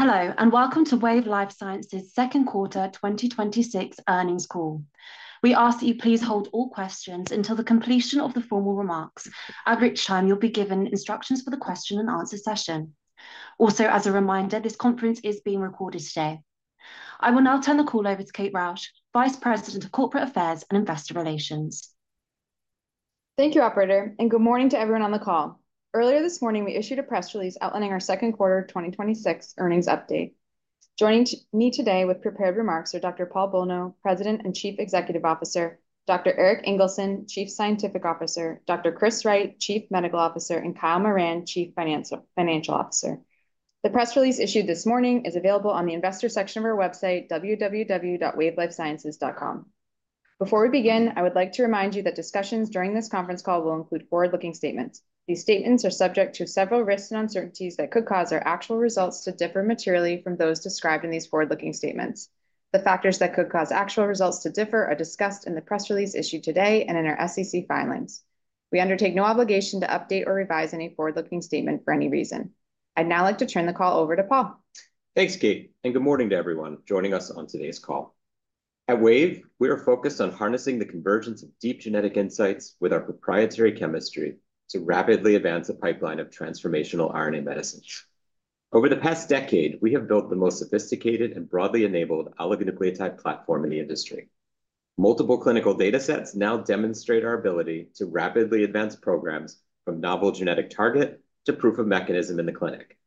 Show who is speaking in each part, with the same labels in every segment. Speaker 1: Hello, welcome to Wave Life Sciences' second quarter 2026 earnings call. We ask that you please hold all questions until the completion of the formal remarks. At which time you will be given instructions for the question and answer session. As a reminder, this conference is being recorded today. I will now turn the call over to Kate Rausch, Vice President of Corporate Affairs and Investor Relations.
Speaker 2: Thank you, operator, good morning to everyone on the call. Earlier this morning, we issued a press release outlining our second quarter 2026 earnings update. Joining me today with prepared remarks are Dr. Paul Bolno, President and Chief Executive Officer, Dr. Erik Ingelsson, Chief Scientific Officer, Dr. Chris Wright, Chief Medical Officer, and Kyle Moran, Chief Financial Officer. The press release issued this morning is available on the investor section of our website, www.wavelifesciences.com. Before we begin, I would like to remind you that discussions during this conference call will include forward-looking statements. These statements are subject to several risks and uncertainties that could cause our actual results to differ materially from those described in these forward-looking statements. The factors that could cause actual results to differ are discussed in the press release issued today and in our SEC filings. We undertake no obligation to update or revise any forward-looking statement for any reason. I would now like to turn the call over to Paul.
Speaker 3: Thanks, Kate, good morning to everyone joining us on today's call. At Wave, we are focused on harnessing the convergence of deep genetic insights with our proprietary chemistry to rapidly advance a pipeline of transformational RNA medicines. Over the past decade, we have built the most sophisticated and broadly enabled oligonucleotide platform in the industry. Multiple clinical data sets now demonstrate our ability to rapidly advance programs from novel genetic target to proof of mechanism in the clinic.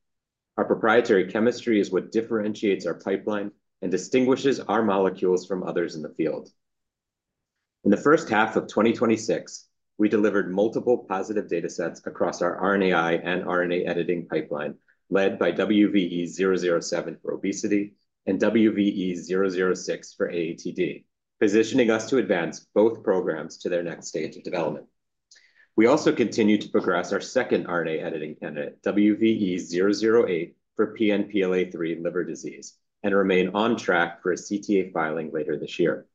Speaker 3: Our proprietary chemistry is what differentiates our pipeline and distinguishes our molecules from others in the field. In the first half of 2026, we delivered multiple positive data sets across our RNAi and RNA editing pipeline, led by WVE-007 for obesity and WVE-006 for AATD, positioning us to advance both programs to their next stage of development. We also continue to progress our second RNA editing candidate, WVE-008, for PNPLA3 liver disease, remain on track for a CTA filing later this year.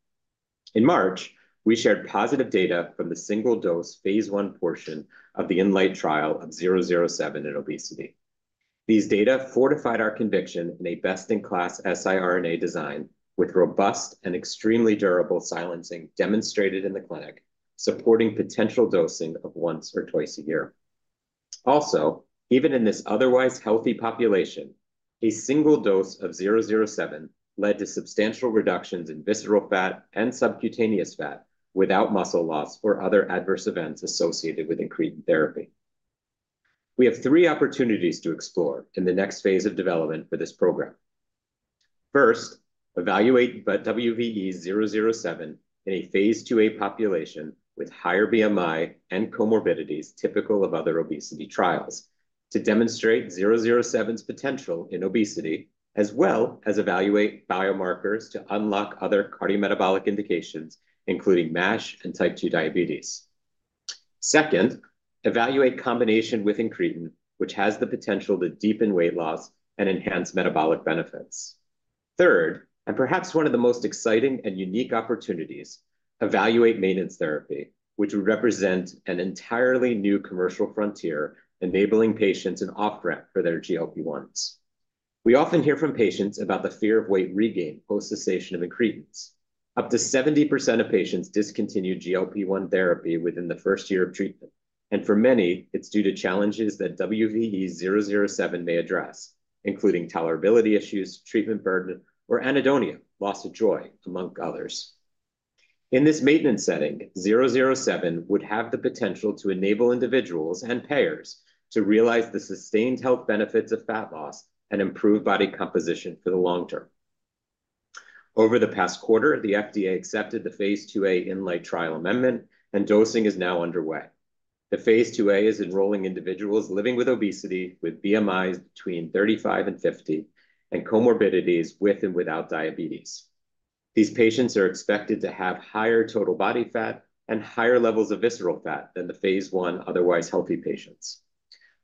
Speaker 3: In March, we shared positive data from the single-dose phase I portion of the INLIGHT trial of WVE-007 in obesity. These data fortified our conviction in a best-in-class siRNA design with robust and extremely durable silencing demonstrated in the clinic, supporting potential dosing of once or twice a year. Even in this otherwise healthy population, a single dose of WVE-007 led to substantial reductions in visceral fat and subcutaneous fat without muscle loss or other adverse events associated with incretin therapy. We have three opportunities to explore in the next phase of development for this program. First, evaluate WVE-007 in a phase II-A population with higher BMI and comorbidities typical of other obesity trials to demonstrate WVE-007's potential in obesity, as well as evaluate biomarkers to unlock other cardiometabolic indications, including MASH and type 2 diabetes. Second, evaluate combination with incretin, which has the potential to deepen weight loss and enhance metabolic benefits. Third, perhaps one of the most exciting and unique opportunities, evaluate maintenance therapy, which would represent an entirely new commercial frontier enabling patients an off-ramp for their GLP-1s. We often hear from patients about the fear of weight regain post-cessation of incretins. Up to 70% of patients discontinue GLP-1 therapy within the first year of treatment, for many, it's due to challenges that WVE-007 may address, including tolerability issues, treatment burden, or anhedonia, loss of joy, among others. In this maintenance setting, WVE-007 would have the potential to enable individuals and payers to realize the sustained health benefits of fat loss and improve body composition for the long term. Over the past quarter, the FDA accepted the phase II-A INLIGHT trial amendment, dosing is now underway. The phase II-A is enrolling individuals living with obesity with BMIs between 35 and 50, and comorbidities with or without diabetes. These patients are expected to have higher total body fat and higher levels of visceral fat than the phase I otherwise healthy patients.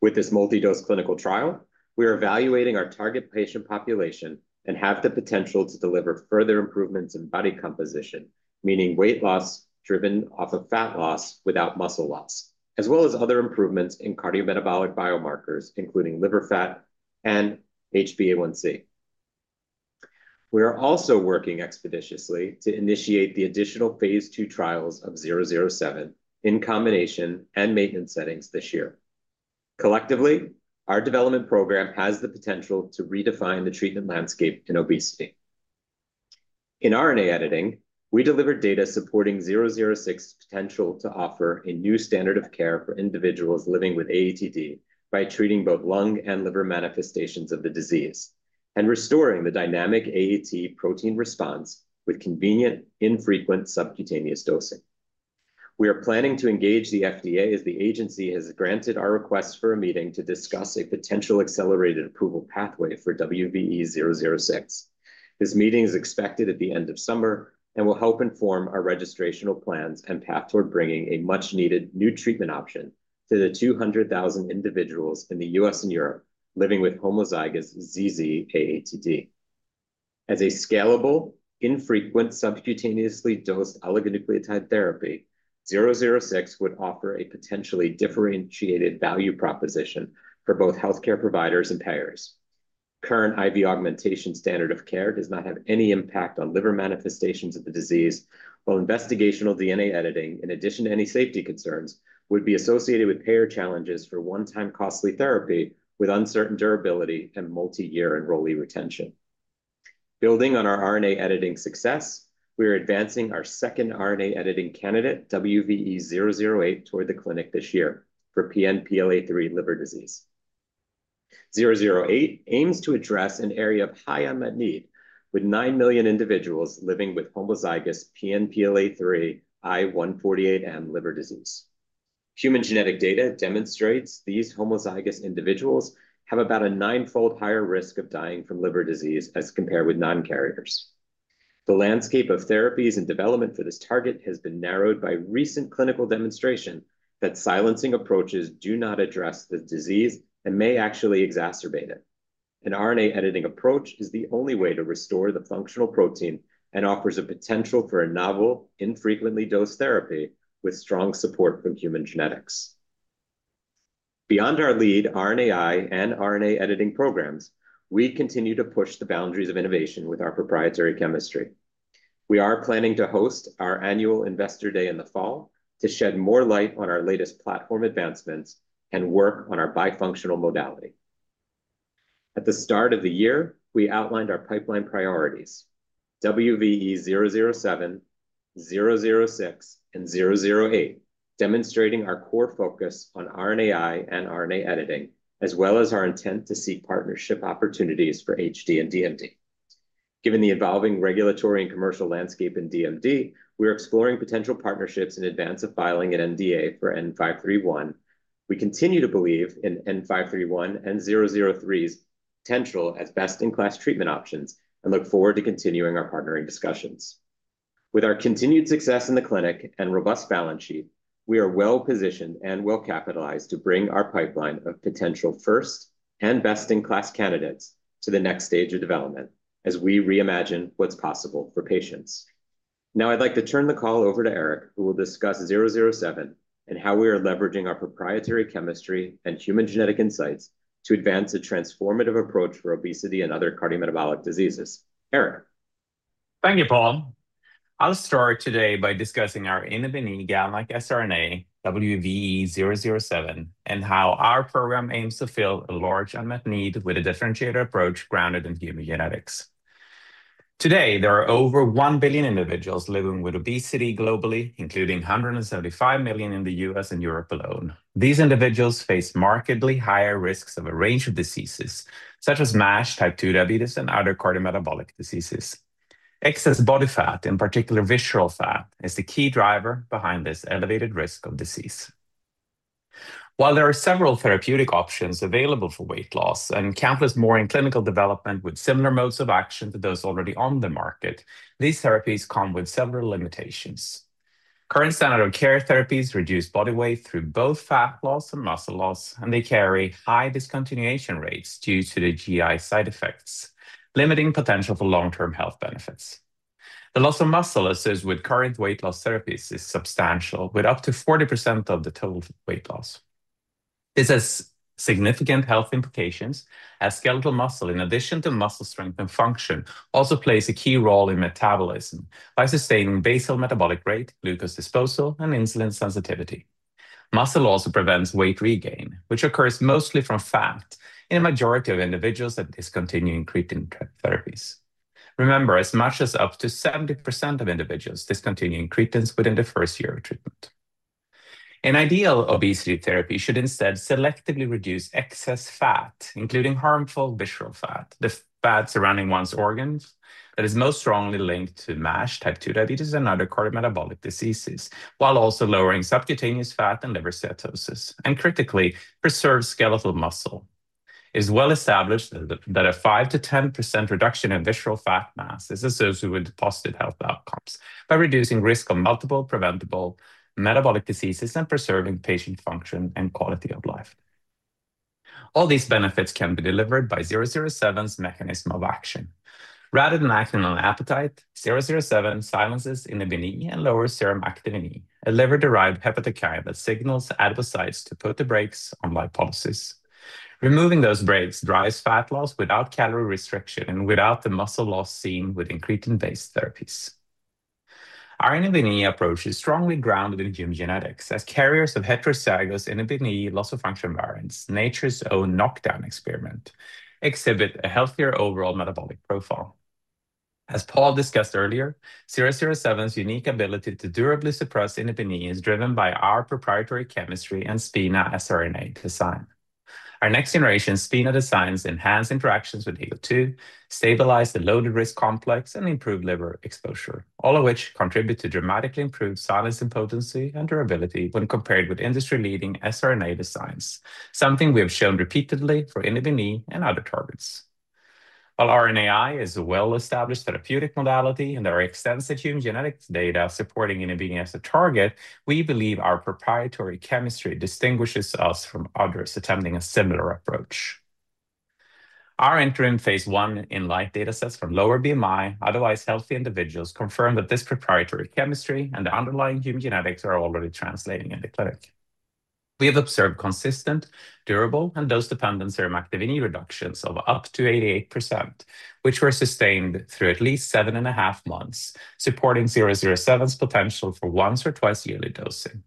Speaker 3: With this multi-dose clinical trial, we are evaluating our target patient population and have the potential to deliver further improvements in body composition, meaning weight loss driven off of fat loss without muscle loss, as well as other improvements in cardiometabolic biomarkers, including liver fat and HbA1c. We are also working expeditiously to initiate the additional phase II trials of WVE-007 in combination and maintenance settings this year. Collectively, our development program has the potential to redefine the treatment landscape in obesity. In RNA editing, we delivered data supporting 006's potential to offer a new standard of care for individuals living with AATD by treating both lung and liver manifestations of the disease and restoring the dynamic AAT protein response with convenient, infrequent subcutaneous dosing. We are planning to engage the FDA as the agency has granted our request for a meeting to discuss a potential accelerated approval pathway for WVE-006. This meeting is expected at the end of summer and will help inform our registrational plans and path toward bringing a much-needed new treatment option to the 200,000 individuals in the U.S. and Europe living with homozygous ZZ AATD. As a scalable, infrequent subcutaneously dosed oligonucleotide therapy, 006 would offer a potentially differentiated value proposition for both healthcare providers and payers. Current IV augmentation standard of care does not have any impact on liver manifestations of the disease, while investigational DNA editing, in addition to any safety concerns, would be associated with payer challenges for one-time costly therapy with uncertain durability and multi-year enrollee retention. Building on our RNA editing success, we are advancing our second RNA editing candidate, WVE-008, toward the clinic this year for PNPLA3 liver disease. 008 aims to address an area of high unmet need, with 9 million individuals living with homozygous PNPLA3 I148M liver disease. Human genetic data demonstrates these homozygous individuals have about a nine-fold higher risk of dying from liver disease as compared with non-carriers. The landscape of therapies and development for this target has been narrowed by recent clinical demonstration that silencing approaches do not address the disease and may actually exacerbate it. An RNA editing approach is the only way to restore the functional protein and offers a potential for a novel, infrequently dosed therapy with strong support from human genetics. Beyond our lead RNAi and RNA editing programs, we continue to push the boundaries of innovation with our proprietary chemistry. We are planning to host our annual investor day in the fall to shed more light on our latest platform advancements and work on our bifunctional modality. At the start of the year, we outlined our pipeline priorities, WVE-007, 006, and 008, demonstrating our core focus on RNAi and RNA editing, as well as our intent to seek partnership opportunities for HD and DMD. Given the evolving regulatory and commercial landscape in DMD, we are exploring potential partnerships in advance of filing an NDA for WVE-N531. We continue to believe in WVE-N531 and WVE-003's potential as best-in-class treatment options and look forward to continuing our partnering discussions. With our continued success in the clinic and robust balance sheet, we are well-positioned and well-capitalized to bring our pipeline of potential first and best-in-class candidates to the next stage of development as we reimagine what's possible for patients. Now I'd like to turn the call over to Erik, who will discuss WVE-007 and how we are leveraging our proprietary chemistry and human genetic insights to advance a transformative approach for obesity and other cardiometabolic diseases. Erik?
Speaker 4: Thank you, Paul. I'll start today by discussing our Inhibin E GalNAc siRNA, WVE-007, and how our program aims to fill a large unmet need with a differentiated approach grounded in human genetics. Today, there are over 1 billion individuals living with obesity globally, including 175 million in the U.S. and Europe alone. These individuals face markedly higher risks of a range of diseases, such as MASH, type 2 diabetes, and other cardiometabolic diseases. Excess body fat, in particular visceral fat, is the key driver behind this elevated risk of disease. While there are several therapeutic options available for weight loss and countless more in clinical development with similar modes of action to those already on the market, these therapies come with several limitations. Current standard of care therapies reduce body weight through both fat loss and muscle loss. They carry high discontinuation rates due to the GI side effects, limiting potential for long-term health benefits. The loss of muscle associated with current weight loss therapies is substantial, with up to 40% of the total weight loss. This has significant health implications, as skeletal muscle, in addition to muscle strength and function, also plays a key role in metabolism by sustaining basal metabolic rate, glucose disposal, and insulin sensitivity. Muscle also prevents weight regain, which occurs mostly from fat in a majority of individuals that discontinue incretin therapies. Remember, as much as up to 70% of individuals discontinue incretins within the first year of treatment. An ideal obesity therapy should instead selectively reduce excess fat, including harmful visceral fat, the fat surrounding one's organs that is most strongly linked to MASH, type 2 diabetes, and other cardiometabolic diseases, while also lowering subcutaneous fat and liver steatosis, and critically preserves skeletal muscle. It is well established that a 5%-10% reduction in visceral fat mass is associated with positive health outcomes by reducing risk of multiple preventable metabolic diseases and preserving patient function and quality of life. All these benefits can be delivered by 007's mechanism of action. Rather than acting on appetite, 007 silences Inhibin E and lowers serum Activin A, a liver-derived peptide that signals adipocytes to put the brakes on lipolysis. Removing those brakes drives fat loss without calorie restriction and without the muscle loss seen with incretin-based therapies. Our Inhibin E approach is strongly grounded in human genetics, as carriers of heterozygous Inhibin E loss-of-function variants, nature's own knockdown experiment, exhibit a healthier overall metabolic profile. As Paul discussed earlier, 007's unique ability to durably suppress Inhibin E is driven by our proprietary chemistry and SpiNA siRNA design. Our next-generation SpiNA designs enhance interactions with AGO2, stabilize the loaded RISC complex, and improve liver exposure, all of which contribute to dramatically improved silencing potency and durability when compared with industry-leading siRNA designs, something we have shown repeatedly for Inhibin E and other targets. While RNAi is a well-established therapeutic modality and there are extensive human genetics data supporting Inhibin E as a target, we believe our proprietary chemistry distinguishes us from others attempting a similar approach. Our interim phase I INLIGHT data sets from lower BMI, otherwise healthy individuals, confirm that this proprietary chemistry and the underlying human genetics are already translating in the clinic. We have observed consistent, durable, and dose-dependent serum activity reductions of up to 88%, which were sustained through at least seven and a half months, supporting 007's potential for once or twice-yearly dosing.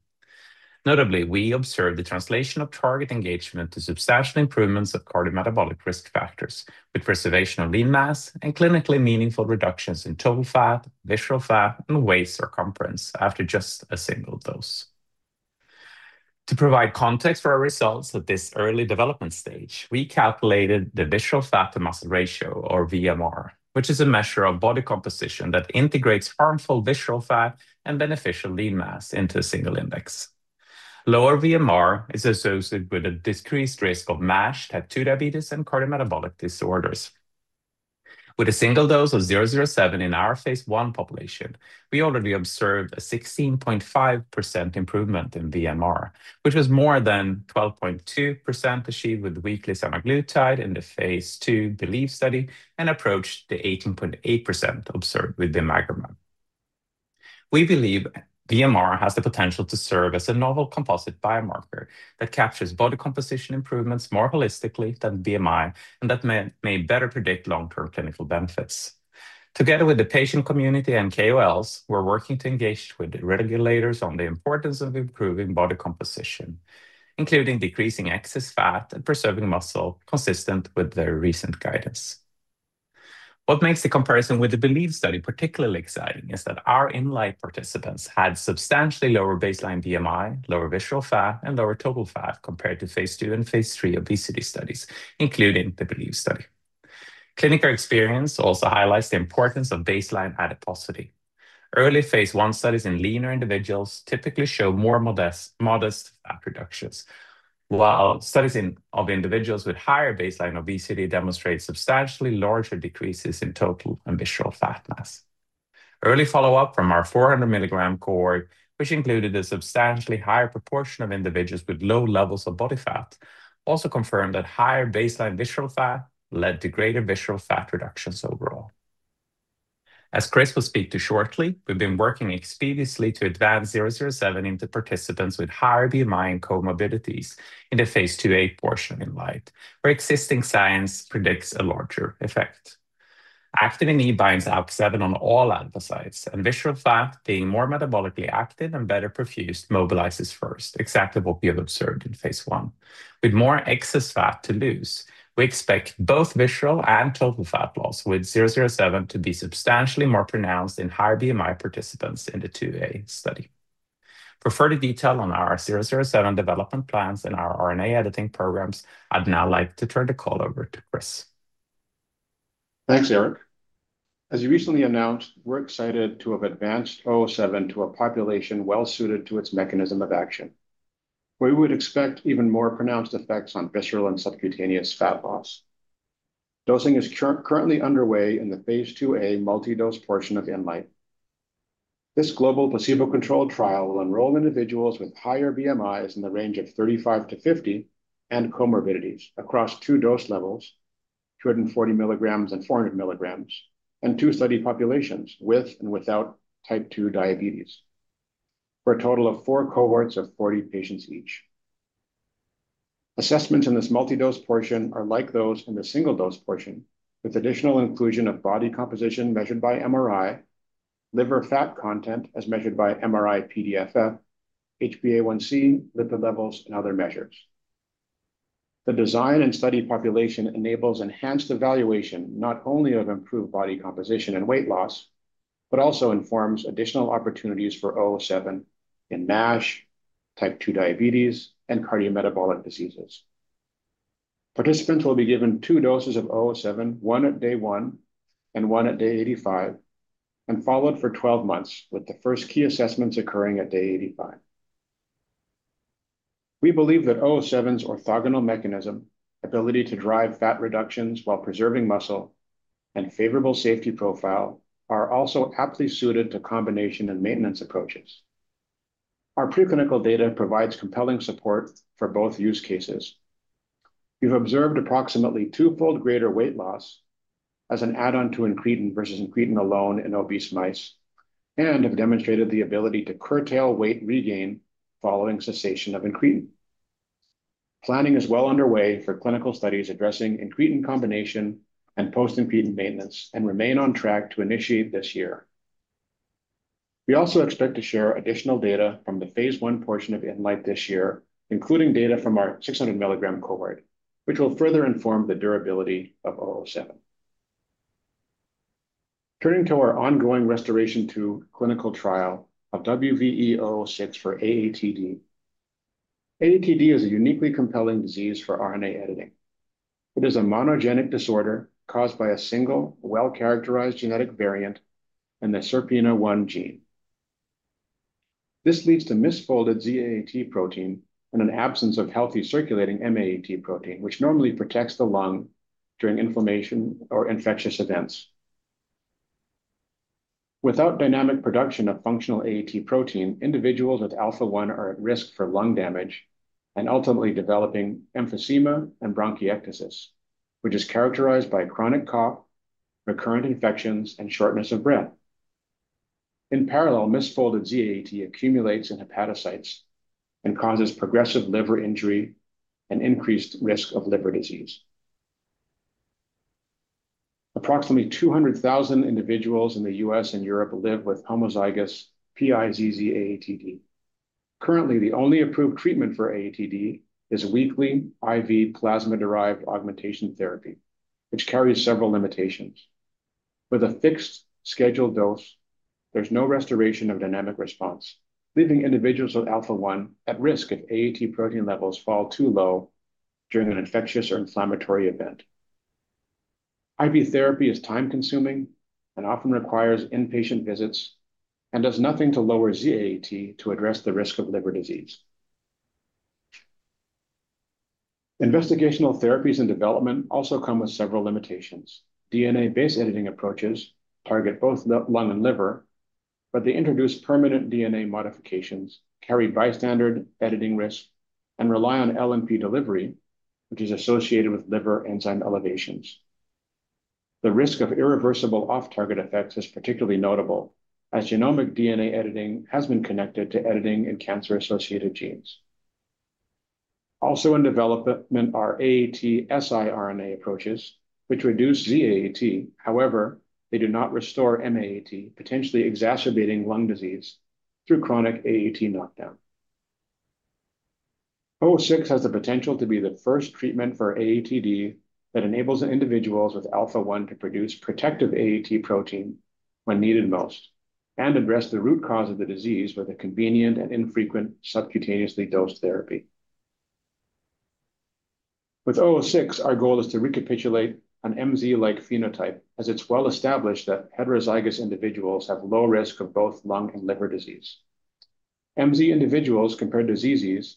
Speaker 4: Notably, we observed the translation of target engagement to substantial improvements of cardiometabolic risk factors, with preservation of lean mass and clinically meaningful reductions in total fat, visceral fat, and waist circumference after just a single dose. To provide context for our results at this early development stage, we calculated the Visceral Fat to Muscle Ratio, or VMR, which is a measure of body composition that integrates harmful visceral fat and beneficial lean mass into a single index. Lower VMR is associated with a decreased risk of MASH, type 2 diabetes, and cardiometabolic disorders. With a single dose of 007 in our phase I population, we already observed a 16.5% improvement in VMR, which was more than 12.2% achieved with weekly semaglutide in the phase II BELIEVE study and approached the 18.8% observed with the bimagrumab. We believe VMR has the potential to serve as a novel composite biomarker that captures body composition improvements more holistically than BMI, that may better predict long-term clinical benefits. Together with the patient community and KOLs, we're working to engage with regulators on the importance of improving body composition, including decreasing excess fat and preserving muscle consistent with their recent guidance. What makes the comparison with the BELIEVE study particularly exciting is that our INLIGHT participants had substantially lower baseline BMI, lower visceral fat, and lower total fat compared to phase II and phase III obesity studies, including the BELIEVE study. Clinical experience also highlights the importance of baseline adiposity. Early phase I studies in leaner individuals typically show more modest fat reductions, while studies of individuals with higher baseline obesity demonstrate substantially larger decreases in total and visceral fat mass. Early follow-up from our 400 mg cohort, which included a substantially higher proportion of individuals with low levels of body fat, also confirmed that higher baseline visceral fat led to greater visceral fat reductions overall. As Chris will speak to shortly, we've been working expeditiously to advance 007 into participants with higher BMI and comorbidities in the phase IIa portion in INLIGHT, where existing science predicts a larger effect. Activin binds ALK7 on all adipocytes, and visceral fat, being more metabolically active and better perfused, mobilizes first, exactly what we have observed in phase I. With more excess fat to lose, we expect both visceral and total fat loss with 007 to be substantially more pronounced in higher BMI participants in the phase IIa study. For further detail on our 007 development plans and our RNA editing programs, I'd now like to turn the call over to Chris.
Speaker 5: Thanks, Erik. As you recently announced, we're excited to have advanced WVE-007 to a population well-suited to its mechanism of action. We would expect even more pronounced effects on visceral and subcutaneous fat loss. Dosing is currently underway in the phase IIa multi-dose portion of INLIGHT. This global placebo-controlled trial will enroll individuals with higher BMIs in the range of 35-50 and comorbidities across 2 dose levels, 240 mg and 400 mg, and 2 study populations with and without type 2 diabetes, for a total of 4 cohorts of 40 patients each. Assessments in this multi-dose portion are like those in the single-dose portion, with additional inclusion of body composition measured by MRI, liver fat content as measured by MRI-PDFF, HbA1c, lipid levels, and other measures. The design and study population enables enhanced evaluation, not only of improved body composition and weight loss, but also informs additional opportunities for WVE-007 in MASH, type 2 diabetes, and cardiometabolic diseases. Participants will be given two doses of WVE-007, one at day 1 and one at day 85, and followed for 12 months, with the first key assessments occurring at day 85. We believe that WVE-007's orthogonal mechanism, ability to drive fat reductions while preserving muscle, and favorable safety profile are also aptly suited to combination and maintenance approaches. Our preclinical data provides compelling support for both use cases. We've observed approximately twofold greater weight loss as an add-on to incretin versus incretin alone in obese mice and have demonstrated the ability to curtail weight regain following cessation of incretin. Planning is well underway for clinical studies addressing incretin combination and post-incretin maintenance and remain on track to initiate this year. We also expect to share additional data from the phase I portion of INLIGHT this year, including data from our 600 milligram cohort, which will further inform the durability of WVE-007. Turning to our ongoing RestorAATion-2 clinical trial of WVE-006 for AATD. AATD is a uniquely compelling disease for RNA editing. It is a monogenic disorder caused by a single well-characterized genetic variant in the SERPINA1 gene. This leads to misfolded Z-AAT protein and an absence of healthy circulating M-AAT protein, which normally protects the lung during inflammation or infectious events. Without dynamic production of functional AAT protein, individuals with alpha-1 are at risk for lung damage and ultimately developing emphysema and bronchiectasis, which is characterized by chronic cough, recurrent infections, and shortness of breath. In parallel, misfolded Z-AAT accumulates in hepatocytes and causes progressive liver injury and increased risk of liver disease. Approximately 200,000 individuals in the U.S. and Europe live with homozygous PIZZ AATD. Currently, the only approved treatment for AATD is weekly IV plasma-derived augmentation therapy, which carries several limitations. With a fixed schedule dose, there's no restoration of dynamic response, leaving individuals with alpha-1 at risk if AAT protein levels fall too low during an infectious or inflammatory event. IV therapy is time-consuming and often requires in-patient visits and does nothing to lower Z-AAT to address the risk of liver disease. Investigational therapies and development also come with several limitations. DNA-based editing approaches target both the lung and liver, but they introduce permanent DNA modifications, carry bystander editing risk, and rely on LNP delivery, which is associated with liver enzyme elevations. The risk of irreversible off-target effects is particularly notable, as genomic DNA editing has been connected to editing in cancer-associated genes. Also in development are AAT siRNA approaches, which reduce Z-AAT. However, they do not restore M-AAT, potentially exacerbating lung disease through chronic AAT knockdown. WVE-006 has the potential to be the first treatment for AATD that enables individuals with alpha-1 to produce protective AAT protein when needed most and address the root cause of the disease with a convenient and infrequent subcutaneously dosed therapy. With WVE-006, our goal is to recapitulate an MZ-like phenotype, as it's well established that heterozygous individuals have low risk of both lung and liver disease. MZ individuals, compared to ZZs,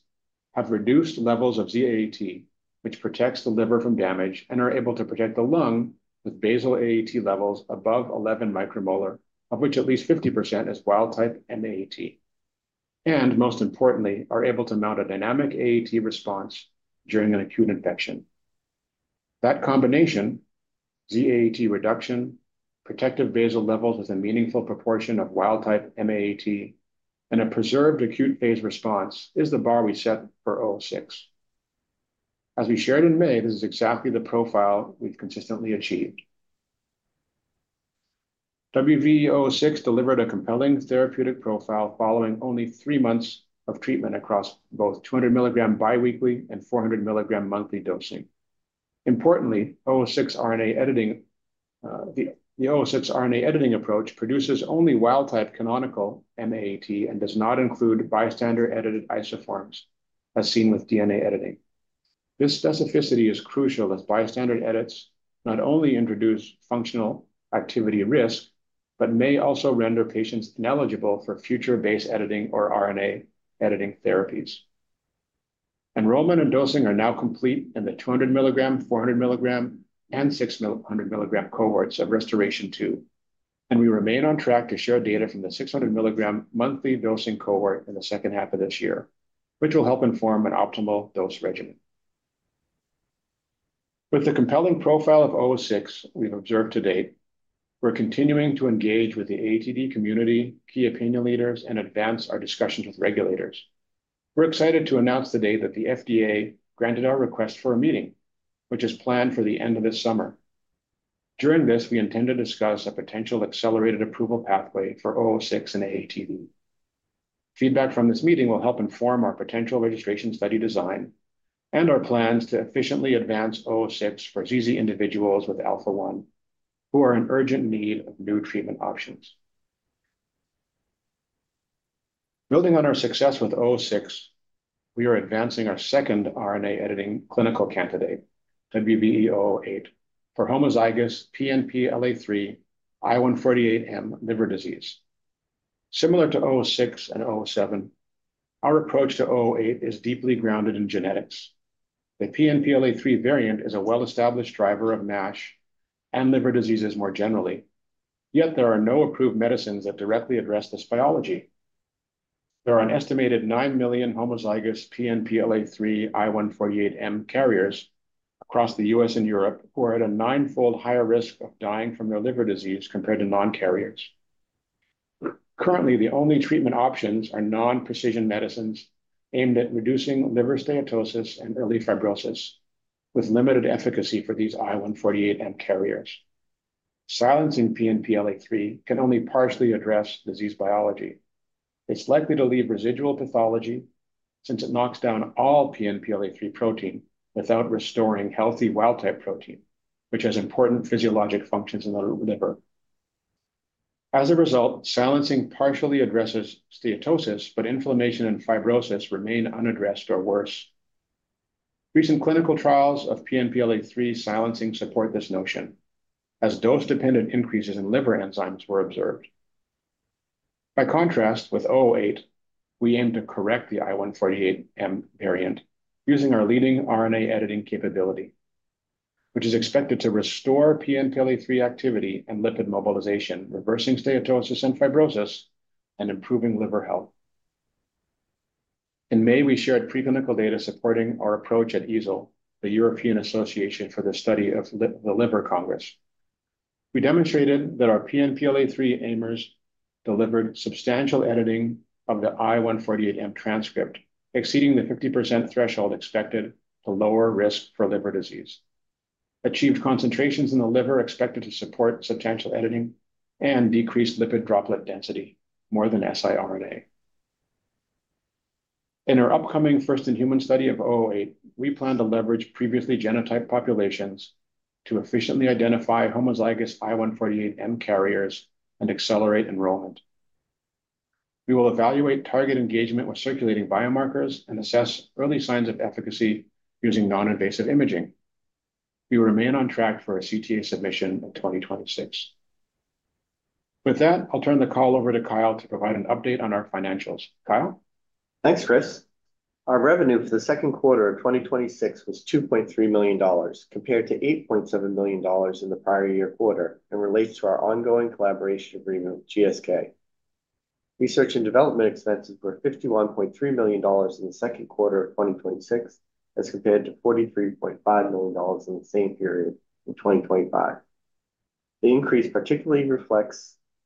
Speaker 5: have reduced levels of Z-AAT, which protects the liver from damage and are able to protect the lung with basal AAT levels above 11 micromolar, of which at least 50% is wild type M-AAT, and most importantly, are able to mount a dynamic AAT response during an acute infection. That combination, Z-AAT reduction, protective basal levels with a meaningful proportion of wild type M-AAT, and a preserved acute phase response, is the bar we set for WVE-006. As we shared in May, this is exactly the profile we've consistently achieved. WVE-006 delivered a compelling therapeutic profile following only three months of treatment across both 200 milligram biweekly and 400 milligram monthly dosing. Importantly, the WVE-006 RNA editing approach produces only wild type canonical M-AAT and does not include bystander edited isoforms, as seen with DNA editing. This specificity is crucial, as bystander edits not only introduce functional activity risk, but may also render patients ineligible for future base editing or RNA editing therapies. Enrollment and dosing are now complete in the 200 milligram, 400 milligram, and 600 milligram cohorts of RestorAATion-2. We remain on track to share data from the 600 milligram monthly dosing cohort in the second half of this year, which will help inform an optimal dose regimen. With the compelling profile of WVE-006 we've observed to date, we're continuing to engage with the AATD community, key opinion leaders, and advance our discussions with regulators. We're excited to announce today that the FDA granted our request for a meeting, which is planned for the end of this summer. During this, we intend to discuss a potential accelerated approval pathway for WVE-006 and AATD. Feedback from this meeting will help inform our potential registration study design and our plans to efficiently advance WVE-006 for ZZ individuals with alpha-1 who are in urgent need of new treatment options. Building on our success with WVE-006, we are advancing our second RNA editing clinical candidate, WVE-008, for homozygous PNPLA3 I148M liver disease. Similar to WVE-006 and WVE-007, our approach to WVE-008 is deeply grounded in genetics. The PNPLA3 variant is a well-established driver of NASH and liver diseases more generally. Yet, there are no approved medicines that directly address this biology. There are an estimated 9 million homozygous PNPLA3 I148M carriers across the U.S. and Europe who are at a nine-fold higher risk of dying from their liver disease compared to non-carriers. Currently, the only treatment options are non-precision medicines aimed at reducing liver steatosis and early fibrosis with limited efficacy for these I148M carriers. Silencing PNPLA3 can only partially address disease biology. It's likely to leave residual pathology, since it knocks down all PNPLA3 protein without restoring healthy wild type protein, which has important physiologic functions in the liver. As a result, silencing partially addresses steatosis, but inflammation and fibrosis remain unaddressed, or worse. Recent clinical trials of PNPLA3 silencing support this notion, as dose-dependent increases in liver enzymes were observed. By contrast, with WVE-008, we aim to correct the I148M variant using our leading RNA editing capability, which is expected to restore PNPLA3 activity and lipid mobilization, reversing steatosis and fibrosis and improving liver health. In May, we shared pre-clinical data supporting our approach at EASL, the European Association for the Study of the Liver Congress. We demonstrated that our PNPLA3 AIMers delivered substantial editing of the I148M transcript, exceeding the 50% threshold expected to lower risk for liver disease, achieved concentrations in the liver expected to support substantial editing and decrease lipid droplet density more than siRNA. In our upcoming first-in-human study of 008, we plan to leverage previously genotyped populations to efficiently identify homozygous I148M carriers and accelerate enrollment. We will evaluate target engagement with circulating biomarkers and assess early signs of efficacy using non-invasive imaging. We remain on track for a CTA submission in 2026. With that, I'll turn the call over to Kyle to provide an update on our financials. Kyle?
Speaker 6: Thanks, Chris. Our revenue for the second quarter of 2026 was $2.3 million, compared to $8.7 million in the prior year quarter, and relates to our ongoing collaboration agreement with GSK. Research and development expenses were $51.3 million in the second quarter of 2026 as compared to $43.5 million in the same period in 2025. The increase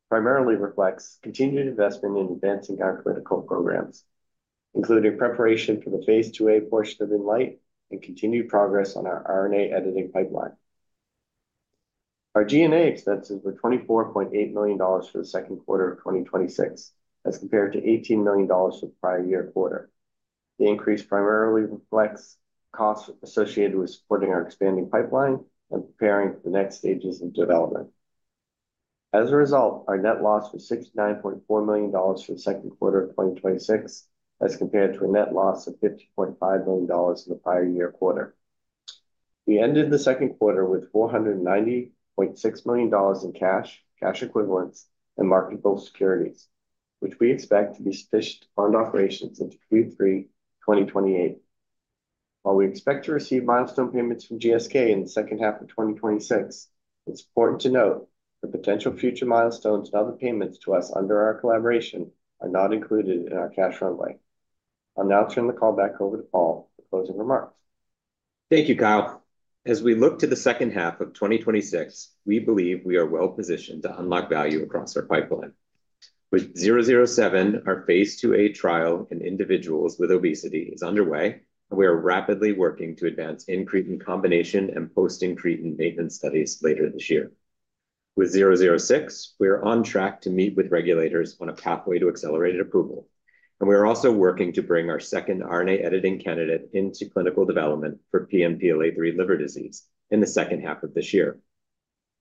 Speaker 6: primarily reflects continued investment in advancing our clinical programs, including preparation for the phase IIa portion of INLIGHT and continued progress on our RNA editing pipeline. Our G&A expenses were $24.8 million for the second quarter of 2026 as compared to $18 million for the prior year quarter. The increase primarily reflects costs associated with supporting our expanding pipeline and preparing for the next stages of development. As a result, our net loss was $69.4 million for the second quarter of 2026 as compared to a net loss of $50.5 million in the prior year quarter. We ended the second quarter with $490.6 million in cash equivalents, and marketable securities, which we expect to be sufficient to fund operations into Q3 2028. While we expect to receive milestone payments from GSK in the second half of 2026, it's important to note that potential future milestones and other payments to us under our collaboration are not included in our cash runway. I'll now turn the call back over to Paul for closing remarks.
Speaker 3: Thank you, Kyle. As we look to the second half of 2026, we believe we are well-positioned to unlock value across our pipeline. With WVE-007, our phase IIa trial in individuals with obesity is underway, and we are rapidly working to advance incretin combination and post-incretin maintenance studies later this year. With 006, we are on track to meet with regulators on a pathway to accelerated approval, and we are also working to bring our second RNA editing candidate into clinical development for PNPLA3 liver disease in the second half of this year.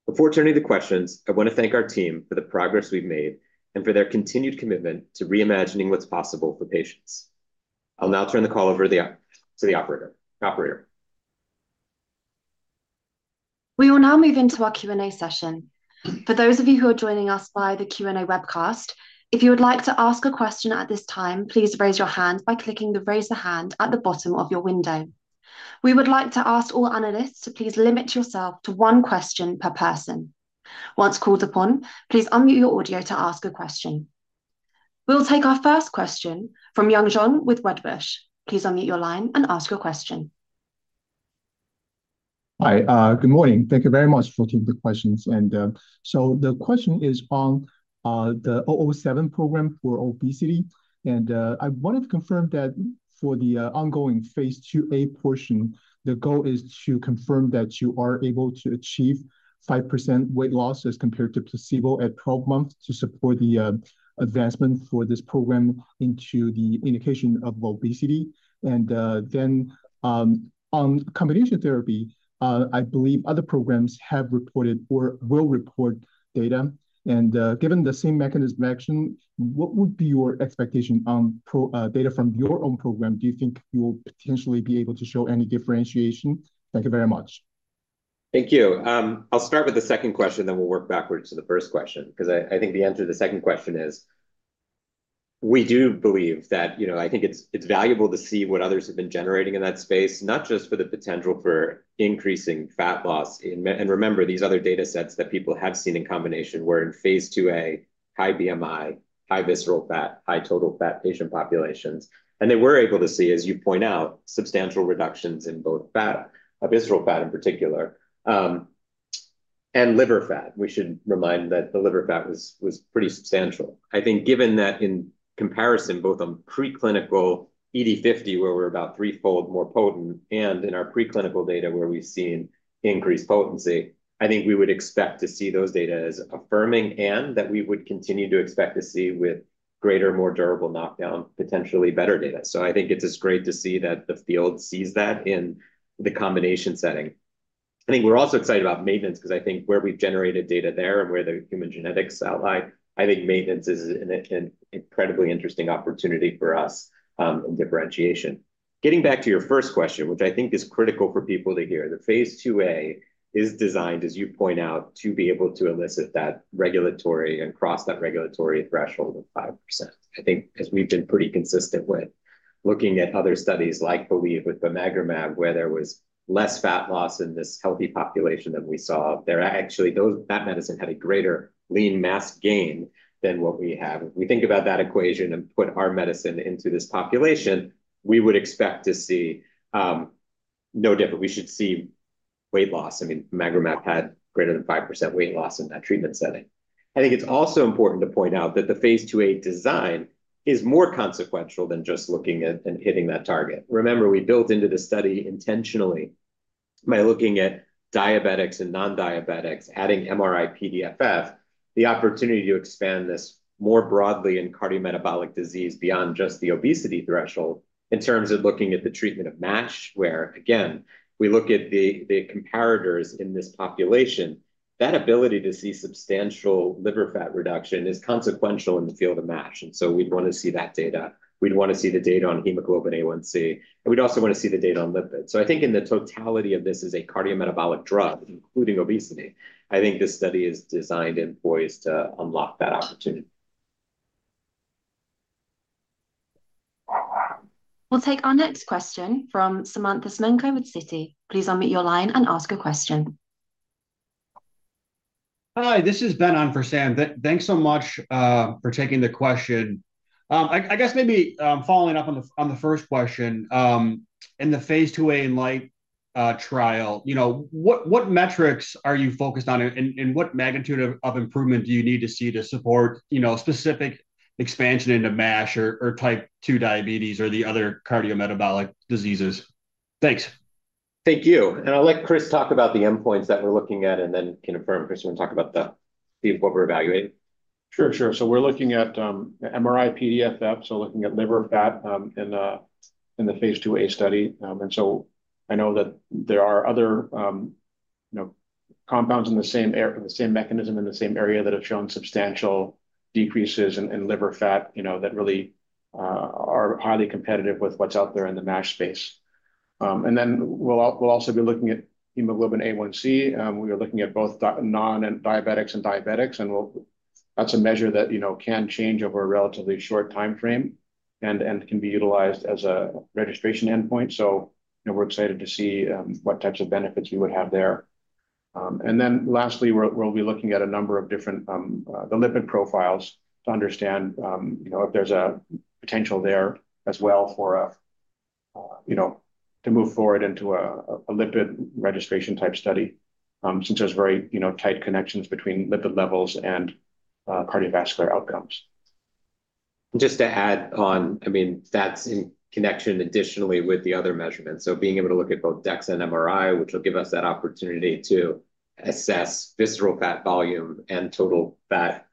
Speaker 3: Before turning to questions, I want to thank our team for the progress we've made and for their continued commitment to reimagining what's possible for patients. I'll now turn the call over to the operator. Operator?
Speaker 1: We will now move into our Q&A session. For those of you who are joining us by the Q&A webcast, if you would like to ask a question at this time, please raise your hand by clicking the raise your hand at the bottom of your window. We would like to ask all analysts to please limit yourself to one question per person. Once called upon, please unmute your audio to ask a question. We will take our first question from Yun Zhong with Wedbush. Please unmute your line and ask your question.
Speaker 7: Hi. Good morning. Thank you very much for taking the questions. The question is on the WVE-007 program for obesity. I wanted to confirm that for the ongoing phase IIa portion, the goal is to confirm that you are able to achieve 5% weight loss as compared to placebo at 12 months to support the advancement for this program into the indication of obesity. On combination therapy, I believe other programs have reported or will report data. Given the same mechanism of action, what would be your expectation on data from your own program? Do you think you will potentially be able to show any differentiation? Thank you very much.
Speaker 3: Thank you. I'll start with the second question, then we'll work backwards to the first question, because I think the answer to the second question is, we do believe that it's valuable to see what others have been generating in that space, not just for the potential for increasing fat loss. Remember, these other datasets that people have seen in combination were in phase IIa, high BMI, high visceral fat, high total fat patient populations. They were able to see, as you point out, substantial reductions in both fat, visceral fat in particular, and liver fat. We should remind that the liver fat was pretty substantial. Given that in comparison, both on preclinical ED50, where we're about threefold more potent and in our preclinical data where we've seen increased potency, we would expect to see those data as affirming and that we would continue to expect to see with greater, more durable knockdown, potentially better data. I think it's just great to see that the field sees that in the combination setting. We're also excited about maintenance because I think where we've generated data there and where the human genetics lie, maintenance is an incredibly interesting opportunity for us, in differentiation. Getting back to your first question, which I think is critical for people to hear, the phase IIa is designed, as you point out, to be able to elicit that regulatory and cross that regulatory threshold of 5%. I think as we've been pretty consistent with looking at other studies like BELIEVE with bimagrumab, where there was less fat loss in this healthy population than we saw. Actually, that medicine had a greater lean mass gain than what we have. If we think about that equation and put our medicine into this population, We should see weight loss. bimagrumab had greater than 5% weight loss in that treatment setting. I think it's also important to point out that the phase IIa design is more consequential than just looking at and hitting that target. Remember, we built into the study intentionally by looking at diabetics and non-diabetics, adding MRI-PDFF, the opportunity to expand this more broadly in cardiometabolic disease beyond just the obesity threshold in terms of looking at the treatment of MASH, where again, we look at the comparators in this population. That ability to see substantial liver fat reduction is consequential in the field of MASH, we'd want to see that data. We'd want to see the data on HbA1c, and we'd also want to see the data on lipids. I think in the totality of this as a cardiometabolic drug, including obesity, I think this study is designed and poised to unlock that opportunity.
Speaker 1: We'll take our next question from Samantha Semenkow with Citi. Please unmute your line and ask a question.
Speaker 8: Hi, this is Ben on for Sam. Thanks so much for taking the question. I guess maybe following up on the first question, in the phase IIa INLIGHT trial, what metrics are you focused on and what magnitude of improvement do you need to see to support specific expansion into MASH or type 2 diabetes or the other cardiometabolic diseases? Thanks.
Speaker 3: Thank you. I'll let Chris talk about the endpoints that we're looking at and then can affirm, Chris, you want to talk about the field what we're evaluating?
Speaker 5: We're looking at MRI-PDFF, looking at liver fat in the phase IIa study. I know that there are other compounds in the same mechanism in the same area that have shown substantial decreases in liver fat, that really are highly competitive with what's out there in the MASH space. We'll also be looking at hemoglobin A1c. We are looking at both non-diabetics and diabetics, and that's a measure that can change over a relatively short time frame and can be utilized as a registration endpoint. We're excited to see what types of benefits we would have there. Lastly, we'll be looking at a number of the lipid profiles to understand if there's a potential there as well to move forward into a lipid registration type study, since there's very tight connections between lipid levels and cardiovascular outcomes.
Speaker 3: Just to add on, that's in connection additionally with the other measurements. Being able to look at both DEXA and MRI, which will give us that opportunity to assess visceral fat volume and total fat.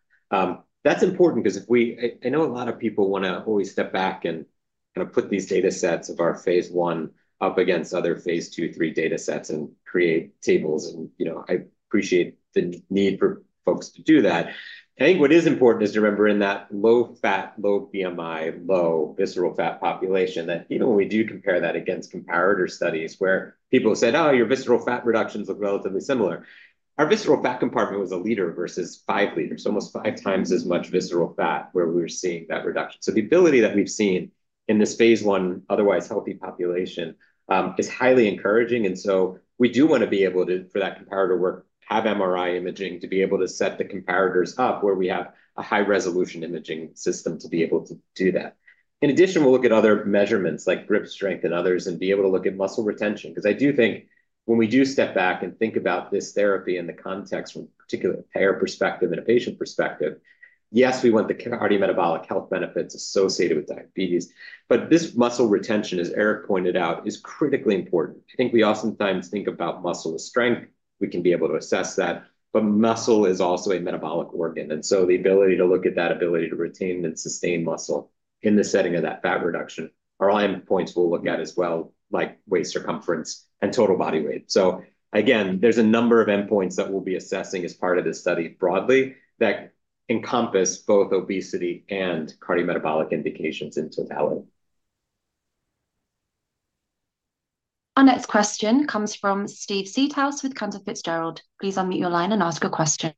Speaker 3: That's important because I know a lot of people want to always step back and put these datasets of our phase I up against other phase II, III datasets and create tables, and I appreciate the need for folks to do that. I think what is important is to remember in that low fat, low BMI, low visceral fat population, that even when we do compare that against comparator studies where people have said, "Oh, your visceral fat reductions look relatively similar." Our visceral fat compartment was one liter versus five liters, almost five times as much visceral fat where we were seeing that reduction. The ability that we've seen in this phase I, otherwise healthy population, is highly encouraging. We do want to be able to, for that comparator work, have MRI imaging to be able to set the comparators up where we have a high-resolution imaging system to be able to do that. In addition, we'll look at other measurements like grip strength and others and be able to look at muscle retention. I do think when we do step back and think about this therapy in the context from a particular payer perspective and a patient perspective, yes, we want the cardiometabolic health benefits associated with diabetes, but this muscle retention, as Erik pointed out, is critically important. I think we oftentimes think about muscle as strength. We can be able to assess that, but muscle is also a metabolic organ. The ability to look at that ability to retain and sustain muscle in the setting of that fat reduction are all endpoints we'll look at as well, like weight circumference and total body weight. Again, there's a number of endpoints that we'll be assessing as part of this study broadly that encompass both obesity and cardiometabolic indications in totality.
Speaker 1: Our next question comes from Steve Seedhouse with Cantor Fitzgerald. Please unmute your line and ask a question.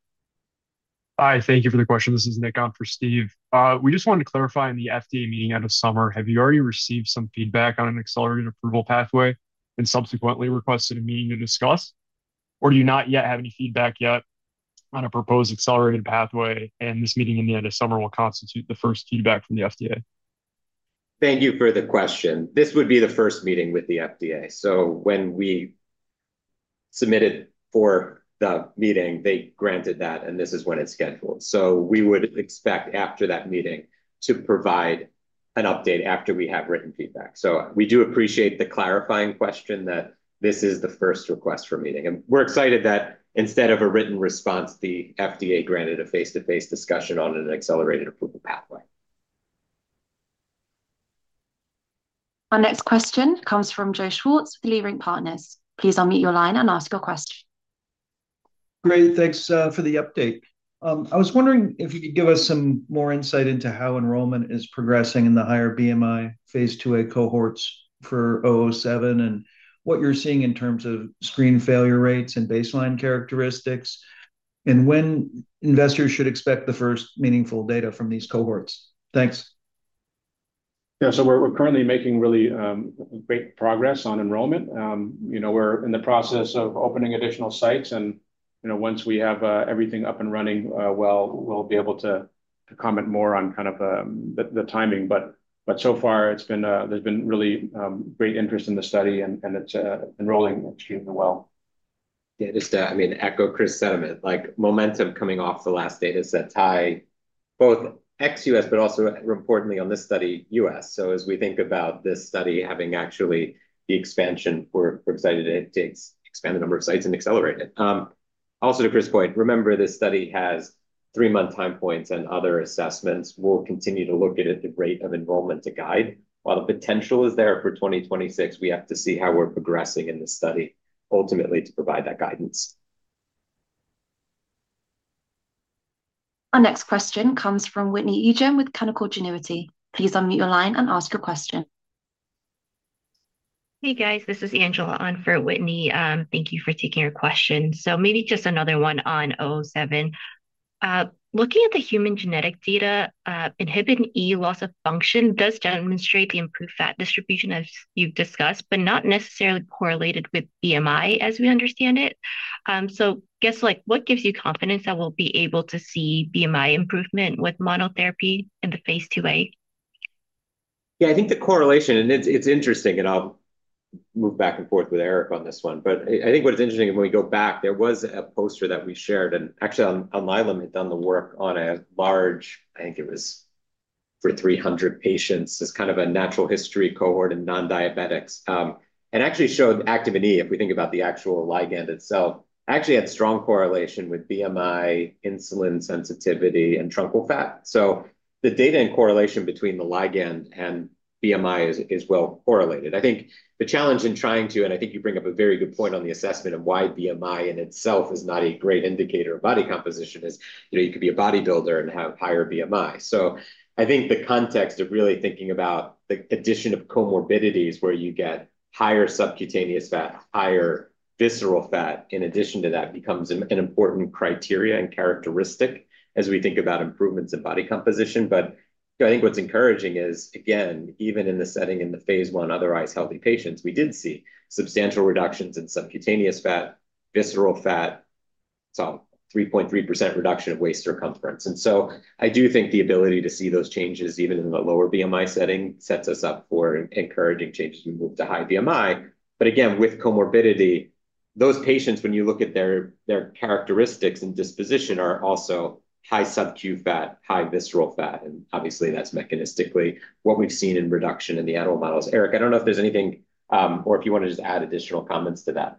Speaker 9: Hi, thank you for the question. This is Nick on for Steve. We just wanted to clarify, in the FDA meeting end of summer, have you already received some feedback on an accelerated approval pathway and subsequently requested a meeting to discuss? Or do you not yet have any feedback yet on a proposed accelerated pathway and this meeting in the end of summer will constitute the first feedback from the FDA?
Speaker 3: Thank you for the question. This would be the first meeting with the FDA. When we submitted for the meeting, they granted that, and this is when it's scheduled. We would expect after that meeting to provide an update after we have written feedback. We do appreciate the clarifying question that this is the first request for a meeting, and we're excited that instead of a written response, the FDA granted a face-to-face discussion on an accelerated approval pathway.
Speaker 1: Our next question comes from Joseph Schwartz with Leerink Partners. Please unmute your line and ask your question.
Speaker 10: Great. Thanks for the update. I was wondering if you could give us some more insight into how enrollment is progressing in the higher BMI phase IIa cohorts for WVE-007 and what you're seeing in terms of screen failure rates and baseline characteristics, and when investors should expect the first meaningful data from these cohorts. Thanks.
Speaker 5: We're currently making really great progress on enrollment. We're in the process of opening additional sites and, once we have everything up and running well, we'll be able to comment more on the timing. So far, there's been really great interest in the study, and it's enrolling extremely well.
Speaker 3: Yeah. Just to echo Chris' sentiment, momentum coming off the last dataset, Ty, both ex-U.S. but also importantly on this study, U.S. As we think about this study having actually the expansion, we're excited to expand the number of sites and accelerate it. Also to Chris' point, remember, this study has three-month time points and other assessments. We'll continue to look at the rate of enrollment to guide. While the potential is there for 2026, we have to see how we're progressing in this study ultimately to provide that guidance.
Speaker 1: Our next question comes from Whitney Ijem with Canaccord Genuity. Please unmute your line and ask your question.
Speaker 11: Hey, guys. This is Angela on for Whitney. Thank you for taking our question. Maybe just another one on 007. Looking at the human genetic data, Inhibin E loss of function does demonstrate the improved fat distribution as you've discussed, but not necessarily correlated with BMI as we understand it. What gives you confidence that we'll be able to see BMI improvement with monotherapy in the phase IIa?
Speaker 3: I think the correlation. It's interesting, and I'll move back and forth with Erik on this one. I think what is interesting when we go back, there was a poster that we shared, and actually Alnylam had done the work on a large, I think it was for 300 patients, as kind of a natural history cohort in non-diabetics. Actually showed Activin E, if we think about the actual ligand itself, actually had strong correlation with BMI, insulin sensitivity, and truncal fat. The data and correlation between the ligand and BMI is well correlated. I think the challenge in trying to, and I think you bring up a very good point on the assessment of why BMI in itself is not a great indicator of body composition is, you could be a bodybuilder and have higher BMI. I think the context of really thinking about the addition of comorbidities where you get higher subcutaneous fat, higher visceral fat, in addition to that becomes an important criteria and characteristic as we think about improvements in body composition. I think what's encouraging is, again, even in the setting in the phase I otherwise healthy patients, we did see substantial reductions in subcutaneous fat, visceral fat, saw 3.3% reduction of waist circumference. I do think the ability to see those changes, even in the lower BMI setting, sets us up for encouraging changes when we move to high BMI. Again, with comorbidity, those patients, when you look at their characteristics and disposition, are also high subcu fat, high visceral fat, and obviously that's mechanistically what we've seen in reduction in the animal models. Erik, I don't know if there's anything, or if you want to just add additional comments to that.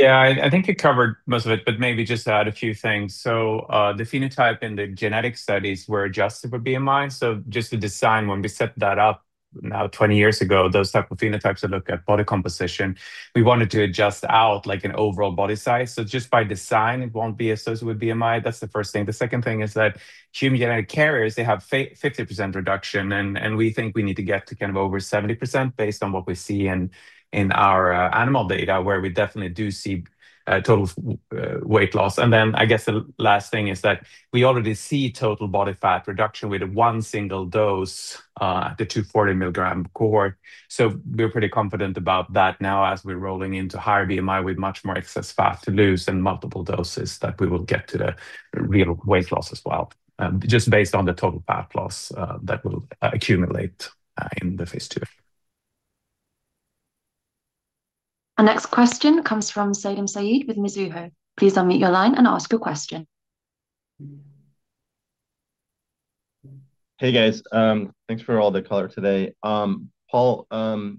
Speaker 4: I think you covered most of it, but maybe just to add a few things. The phenotype in the genetic studies were adjusted for BMI. Just the design when we set that up now 20 years ago, those type of phenotypes that look at body composition, we wanted to adjust out an overall body size. Just by design, it won't be associated with BMI. That's the first thing. The second thing is that human genetic carriers, they have 50% reduction, and we think we need to get to over 70% based on what we see in our animal data where we definitely do see total weight loss. I guess the last thing is that we already see total body fat reduction with one single dose, the 240 milligram cohort. We're pretty confident about that now as we're rolling into higher BMI with much more excess fat to lose and multiple doses, that we will get to the real weight loss as well. Just based on the total fat loss that will accumulate in the phase II.
Speaker 1: Our next question comes from Salim Syed with Mizuho. Please unmute your line and ask your question.
Speaker 12: Hey, guys. Thanks for all the color today. Paul,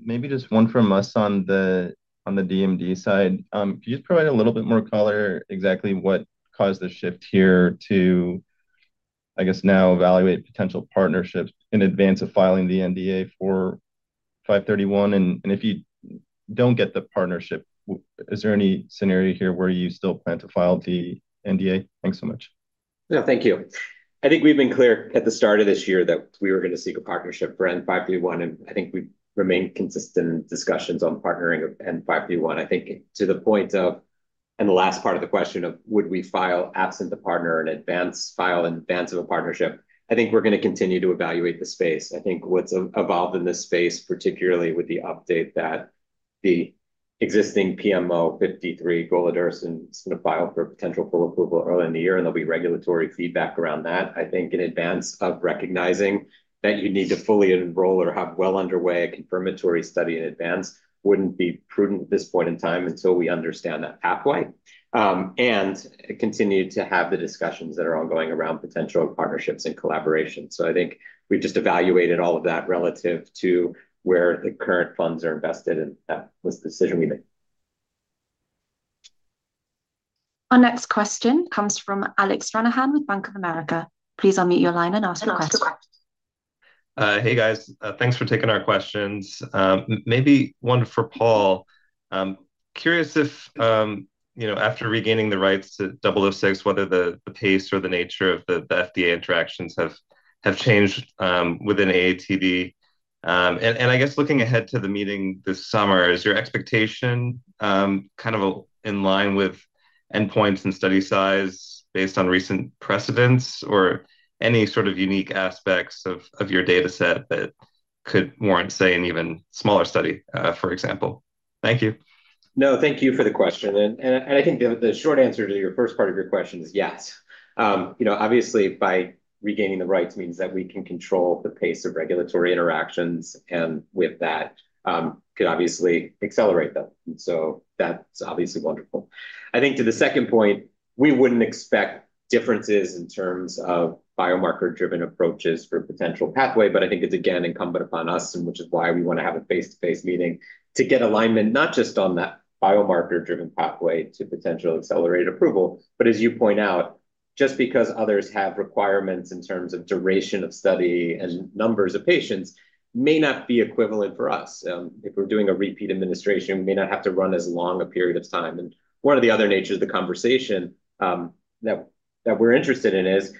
Speaker 12: maybe just one from us on the DMD side. Can you just provide a little bit more color exactly what caused the shift here to, I guess, now evaluate potential partnerships in advance of filing the NDA for 531? If you don't get the partnership, is there any scenario here where you still plan to file the NDA? Thanks so much.
Speaker 3: No, thank you. I think we've been clear at the start of this year that we were going to seek a partnership for N531. I think we remain consistent in discussions on partnering N531. I think to the point of, the last part of the question of would we file absent the partner in advance, file in advance of a partnership, I think we're going to continue to evaluate the space. I think what's evolved in this space, particularly with the update that the existing PMO-53 golodirsen is going to file for potential full approval early in the year. There'll be regulatory feedback around that. I think in advance of recognizing that you need to fully enroll or have well underway a confirmatory study in advance wouldn't be prudent at this point in time until we understand that pathway. We continue to have the discussions that are ongoing around potential partnerships and collaborations. I think we've just evaluated all of that relative to where the current funds are invested. That was the decision we made.
Speaker 1: Our next question comes from Alex Stranahan with Bank of America. Please unmute your line and ask your question.
Speaker 13: Hey, guys. Thanks for taking our questions. Maybe one for Paul. Curious if, after regaining the rights to 006, whether the pace or the nature of the FDA interactions have changed within AATD. I guess looking ahead to the meeting this summer, is your expectation in line with endpoints and study size based on recent precedents or any sort of unique aspects of your data set that could warrant, say, an even smaller study, for example? Thank you.
Speaker 3: No, thank you for the question. I think the short answer to your first part of your question is yes. Obviously, by regaining the rights means that we can control the pace of regulatory interactions, and with that could obviously accelerate them. That's obviously wonderful. I think to the second point, we wouldn't expect differences in terms of biomarker-driven approaches for potential pathway, but I think it's again incumbent upon us, and which is why we want to have a face-to-face meeting to get alignment, not just on that biomarker-driven pathway to potential accelerated approval, but as you point out, just because others have requirements in terms of duration of study and numbers of patients may not be equivalent for us. If we're doing a repeat administration, we may not have to run as long a period of time. One of the other nature of the conversation that we're interested in is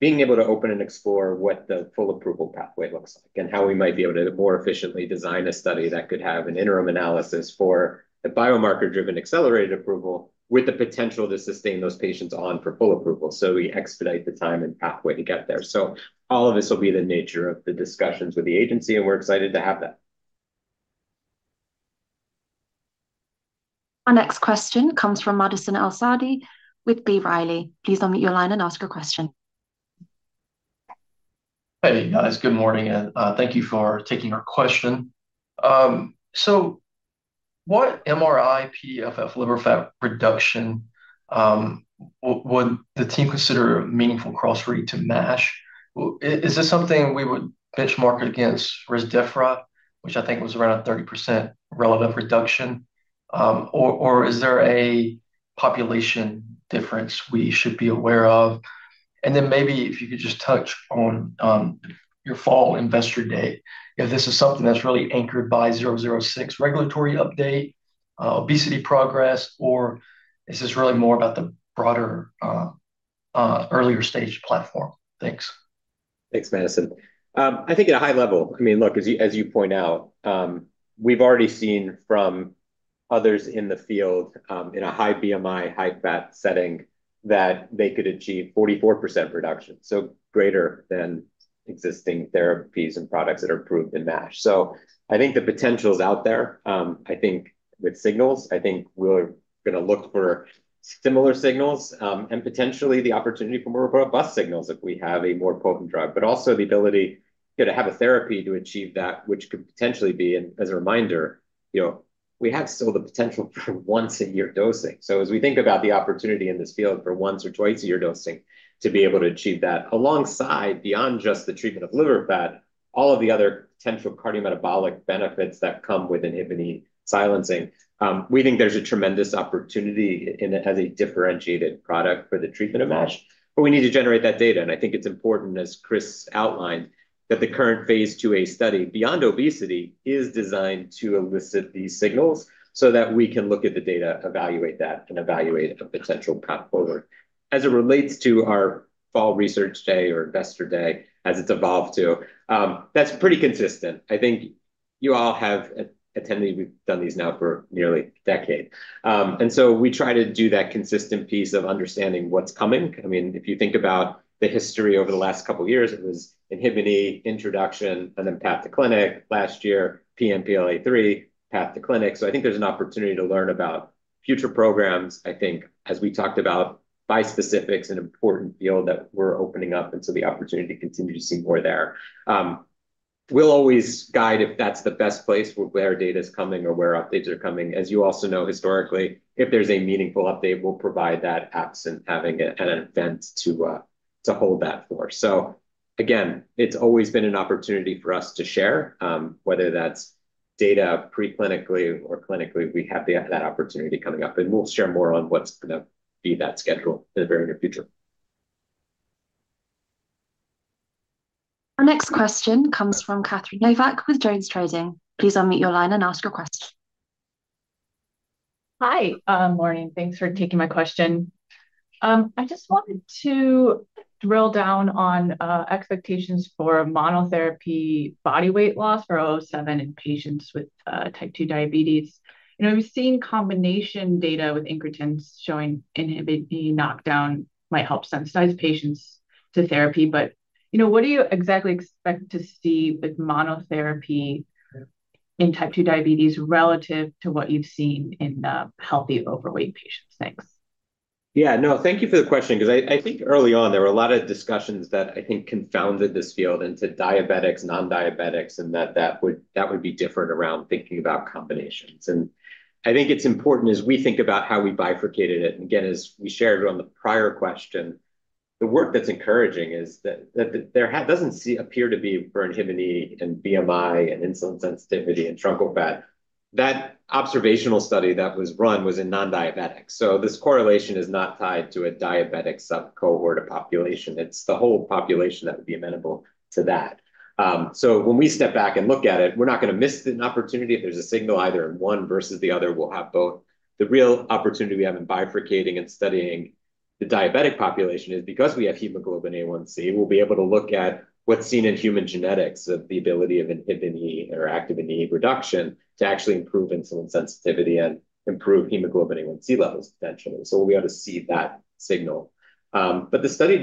Speaker 3: being able to open and explore what the full approval pathway looks like and how we might be able to more efficiently design a study that could have an interim analysis for the biomarker-driven accelerated approval with the potential to sustain those patients on for full approval, so we expedite the time and pathway to get there. All of this will be the nature of the discussions with the agency, and we're excited to have that.
Speaker 1: Our next question comes from Madison El-Saadi with B. Riley. Please unmute your line and ask your question.
Speaker 14: Hey, guys. Good morning, and thank you for taking our question. What MRI-PDFF liver fat reduction would the team consider a meaningful threshold to MASH? Is this something we would benchmark it against Rezdiffra, which I think was around a 30% relevant reduction? Is there a population difference we should be aware of? Maybe if you could just touch on your fall investor day, if this is something that's really anchored by WVE-006 regulatory update, obesity progress, or is this really more about the broader, earlier stage platform? Thanks.
Speaker 3: Thanks, Madison. I think at a high level, look, as you point out, we've already seen from others in the field, in a high BMI, high fat setting, that they could achieve 44% reduction, greater than existing therapies and products that are approved in MASH. I think the potential's out there. I think with signals, I think we're going to look for similar signals, and potentially the opportunity for more robust signals if we have a more potent drug. Also the ability to have a therapy to achieve that, which could potentially be, and as a reminder, we have still the potential for once-a-year dosing. As we think about the opportunity in this field for once or twice-a-year dosing to be able to achieve that alongside, beyond just the treatment of liver fat, all of the other potential cardiometabolic benefits that come with Inhibin E silencing. We think there's a tremendous opportunity in it as a differentiated product for the treatment of MASH, we need to generate that data. I think it's important, as Chris outlined, that the current phase II-A study beyond obesity is designed to elicit these signals so that we can look at the data, evaluate that, and evaluate a potential path forward. As it relates to our fall research day or investor day, as it's evolved to, that's pretty consistent. I think you all have attended. We've done these now for nearly a decade. We try to do that consistent piece of understanding what's coming. If you think about the history over the last couple of years, it was Inhibin E, introduction, and then path to clinic. Last year, PNPLA3, path to clinic. I think there's an opportunity to learn about future programs, I think, as we talked about, bispecifics, an important field that we're opening up, the opportunity to continue to see more there. We'll always guide if that's the best place where data's coming or where updates are coming. As you also know historically, if there's a meaningful update, we'll provide that absent having an event to hold that for. Again, it's always been an opportunity for us to share, whether that's data preclinically or clinically. We have that opportunity coming up, and we'll share more on what's going to be that schedule in the very near future.
Speaker 1: Our next question comes from Catherine Novak with JonesTrading. Please unmute your line and ask your question.
Speaker 15: Hi. Morning. Thanks for taking my question. I just wanted to drill down on expectations for monotherapy body weight loss for WVE-007 in patients with type 2 diabetes. We've seen combination data with incretins showing INHBE knockdown might help sensitize patients to therapy. What do you exactly expect to see with monotherapy in type 2 diabetes relative to what you've seen in healthy overweight patients? Thanks.
Speaker 3: Yeah. No, thank you for the question, because I think early on, there were a lot of discussions that I think confounded this field into diabetics, non-diabetics, and that would be different around thinking about combinations. I think it's important as we think about how we bifurcated it, and again, as we shared on the prior question, the work that's encouraging is that there doesn't appear to be for INHBE and BMI and insulin sensitivity and truncal fat. That observational study that was run was in non-diabetics. This correlation is not tied to a diabetic sub-cohort or population. It's the whole population that would be amenable to that. When we step back and look at it, we're not going to miss an opportunity if there's a signal either in one versus the other, we'll have both. The real opportunity we have in bifurcating and studying the diabetic population is because we have hemoglobin A1C, we'll be able to look at what's seen in human genetics of the ability of an Inhibin E or Activin E reduction to actually improve insulin sensitivity and improve hemoglobin A1C levels potentially. We'll be able to see that signal. The study,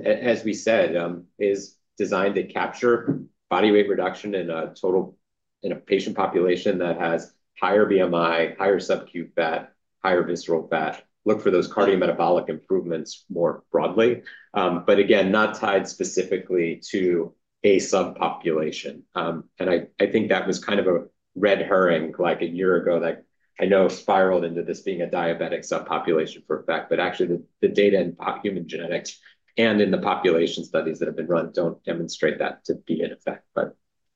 Speaker 3: as we said, is designed to capture body weight reduction in a patient population that has higher BMI, higher subcute fat, higher visceral fat, look for those cardiometabolic improvements more broadly. Again, not tied specifically to a subpopulation. I think that was kind of a red herring, like a year ago, that I know spiraled into this being a diabetic subpopulation for a fact, actually the data in human genetics and in the population studies that have been run don't demonstrate that to be an effect,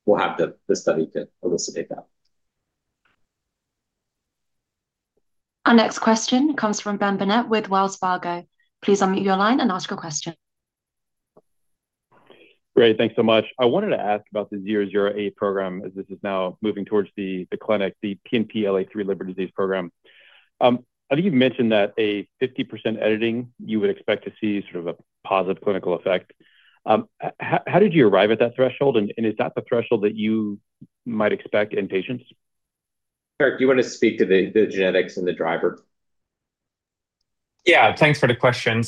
Speaker 3: we'll have the study to elucidate that.
Speaker 1: Our next question comes from Ben Burnett with Wells Fargo. Please unmute your line and ask your question.
Speaker 16: Great. Thanks so much. I wanted to ask about the 008 program as this is now moving towards the clinic, the PNPLA3 liver disease program. I think you've mentioned that a 50% editing, you would expect to see sort of a positive clinical effect. How did you arrive at that threshold, and is that the threshold that you might expect in patients?
Speaker 3: Erik, do you want to speak to the genetics and the driver?
Speaker 4: Yeah. Thanks for the question.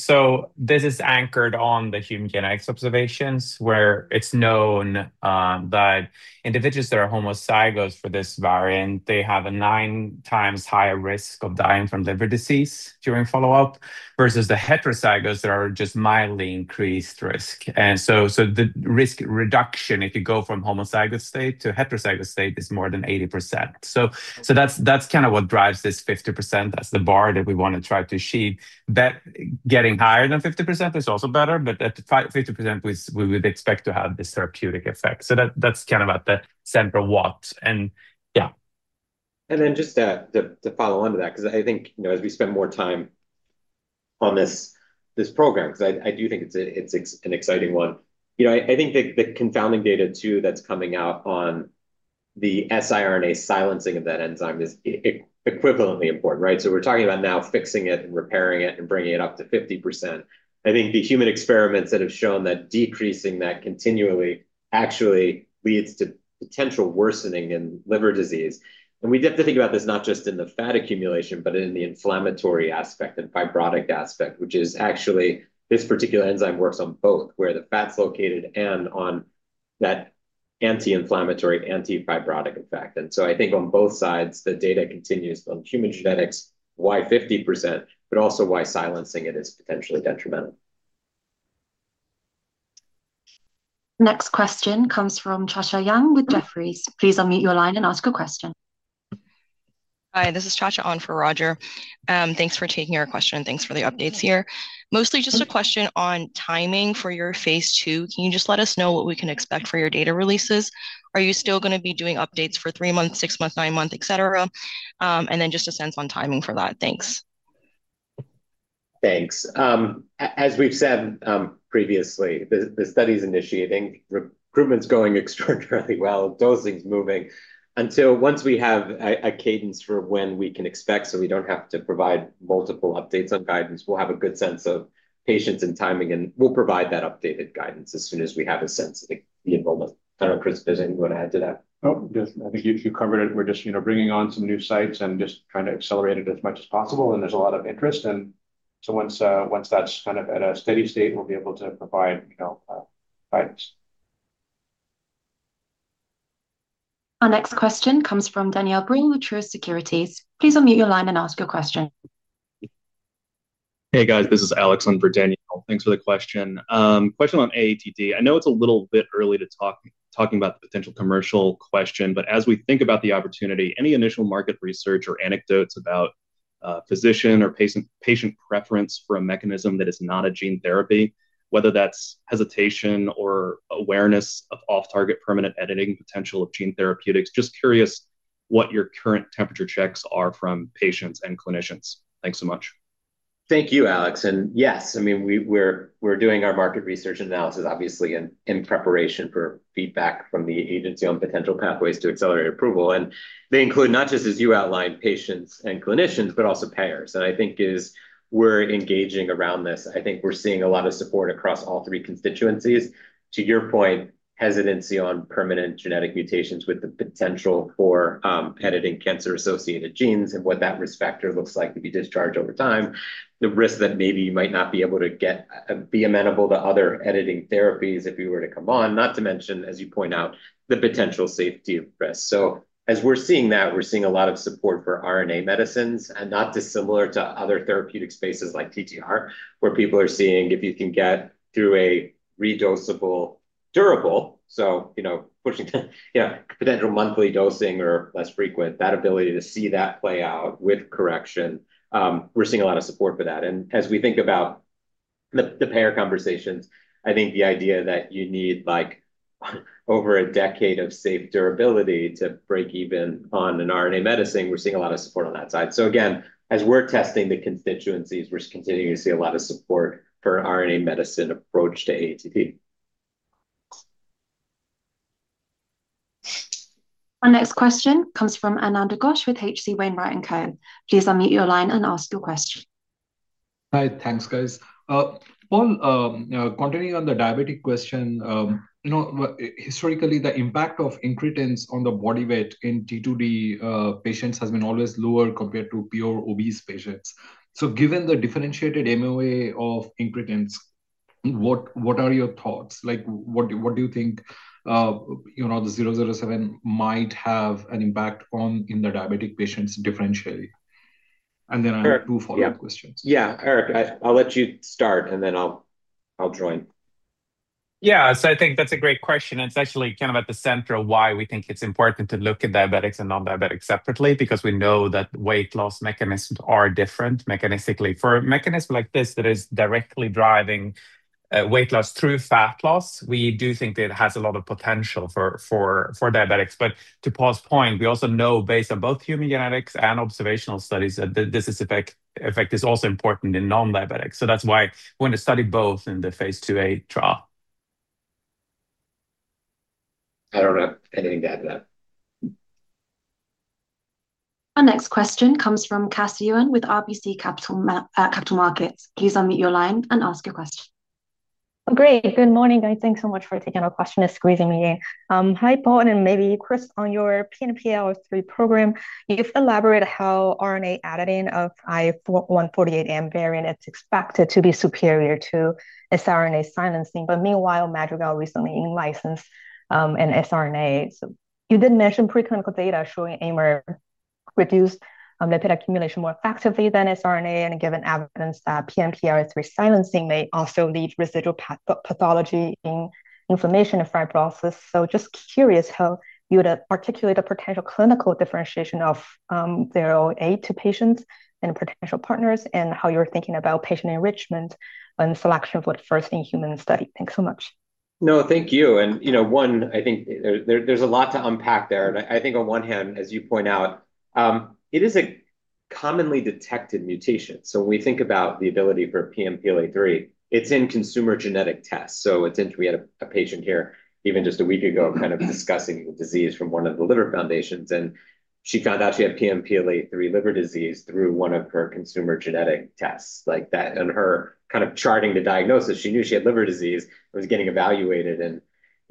Speaker 4: This is anchored on the human genetics observations, where it's known that individuals that are homozygous for this variant, they have a nine times higher risk of dying from liver disease during follow-up versus the heterozygous that are just mildly increased risk. The risk reduction, if you go from homozygous state to heterozygous state, is more than 80%. That's kind of what drives this 50%. That's the bar that we want to try to achieve. Getting higher than 50% is also better, but at 50% we would expect to have this therapeutic effect. That's kind of at the center of what.
Speaker 3: Just to follow onto that, because I think, as we spend more time on this program, because I do think it's an exciting one. I think the confounding data too that's coming out on the siRNA silencing of that enzyme is equivalently important, right? We're talking about now fixing it and repairing it and bringing it up to 50%. I think the human experiments that have shown that decreasing that continually actually leads to potential worsening in liver disease. We have to think about this not just in the fat accumulation, but in the inflammatory aspect and fibrotic aspect, which is actually this particular enzyme works on both, where the fat's located and on that anti-inflammatory, anti-fibrotic effect. I think on both sides, the data continues on human genetics, why 50%, but also why silencing it is potentially detrimental.
Speaker 1: Next question comes from Cha Cha Yang with Jefferies. Please unmute your line and ask a question.
Speaker 17: Hi, this is Cha Cha on for Roger. Thanks for taking our question. Thanks for the updates here. Mostly just a question on timing for your phase II. Can you just let us know what we can expect for your data releases? Are you still going to be doing updates for three month, six month, nine month, et cetera? And then just a sense on timing for that. Thanks.
Speaker 3: Thanks. As we've said previously, the study's initiating. Recruitment's going extraordinarily well. Dosing's moving. Until once we have a cadence for when we can expect, so we don't have to provide multiple updates on guidance, we'll have a good sense of patients and timing, and we'll provide that updated guidance as soon as we have a sense of the enrollment. I don't know, Chris, is there anything you want to add to that?
Speaker 5: No. I think you covered it. We're just bringing on some new sites and just trying to accelerate it as much as possible, and there's a lot of interest. Once that's kind of at a steady state, we'll be able to provide guidance.
Speaker 1: Our next question comes from Daniel Green with Truist Securities. Please unmute your line and ask your question.
Speaker 18: Hey, guys, this is Alex on for Daniel. Thanks for the question. Question on AATD. I know it's a little bit early talking about the potential commercial question, but as we think about the opportunity, any initial market research or anecdotes about physician or patient preference for a mechanism that is not a gene therapy, whether that's hesitation or awareness of off-target permanent editing potential of gene therapeutics. Just curious what your current temperature checks are from patients and clinicians. Thanks so much.
Speaker 3: Thank you, Alex. Yes, we're doing our market research analysis obviously in preparation for feedback from the agency on potential pathways to accelerated approval. They include not just as you outlined, patients and clinicians, but also payers. I think as we're engaging around this, I think we're seeing a lot of support across all three constituencies. To your point, hesitancy on permanent genetic mutations with the potential for editing cancer-associated genes and what that risk factor looks like if you discharge over time, the risk that maybe you might not be able to be amenable to other editing therapies if we were to come on, not to mention, as you point out, the potential safety risk. As we're seeing that, we're seeing a lot of support for RNA medicines and not dissimilar to other therapeutic spaces like TTR, where people are seeing if you can get through a redosable durable, pushing to potential monthly dosing or less frequent, that ability to see that play out with correction. We're seeing a lot of support for that. As we think about the payer conversations, I think the idea that you need over a decade of safe durability to break even on an RNA medicine, we're seeing a lot of support on that side. Again, as we're testing the constituencies, we're continuing to see a lot of support for RNA medicine approach to AATD.
Speaker 1: Our next question comes from Ananda Ghosh with H.C. Wainwright & Co. Please unmute your line and ask your question.
Speaker 19: Hi. Thanks, guys. Paul, continuing on the diabetic question. Historically, the impact of incretins on the body weight in T2D patients has been always lower compared to pure obese patients. Given the differentiated MOA of incretins, what are your thoughts? What do you think the WVE-007 might have an impact on in the diabetic patients differentially? Then I have two follow-up questions.
Speaker 3: Yeah. Erik, I'll let you start, and then I'll join.
Speaker 4: I think that's a great question, and it's actually at the center of why we think it's important to look at diabetics and non-diabetics separately, because we know that weight loss mechanisms are different mechanistically. For a mechanism like this that is directly driving weight loss through fat loss, we do think that it has a lot of potential for diabetics. To Paul's point, we also know, based on both human genetics and observational studies, that this effect is also important in non-diabetics. That's why we're going to study both in the phase II-A trial.
Speaker 3: I don't have anything to add to that.
Speaker 1: Our next question comes from Cassie Yuan with RBC Capital Markets. Please unmute your line and ask your question.
Speaker 20: Great. Good morning, guys. Thanks so much for taking our question and squeezing me in. Hi, Paul, and maybe Chris. On your PNPLA3 program, you've elaborated how RNA editing of I148M variant is expected to be superior to siRNA silencing. Meanwhile, Madrigal recently in licensed an siRNA. You did mention preclinical data showing AIMer reduced lipid accumulation more effectively than siRNA, and given evidence that PNPLA3 silencing may also leave residual pathology in inflammation and fibrosis. Just curious how you would articulate a potential clinical differentiation of 008 to patients and potential partners, and how you're thinking about patient enrichment and selection for the first-in-human study. Thanks so much.
Speaker 3: Thank you. One, I think there's a lot to unpack there. I think on one hand, as you point out, it is a commonly detected mutation. When we think about the ability for PNPLA3, it's in consumer genetic tests. We had a patient here, even just a week ago, discussing the disease from one of the liver foundations, and she found out she had PNPLA3 liver disease through one of her consumer genetic tests. In her charting the diagnosis, she knew she had liver disease and was getting evaluated.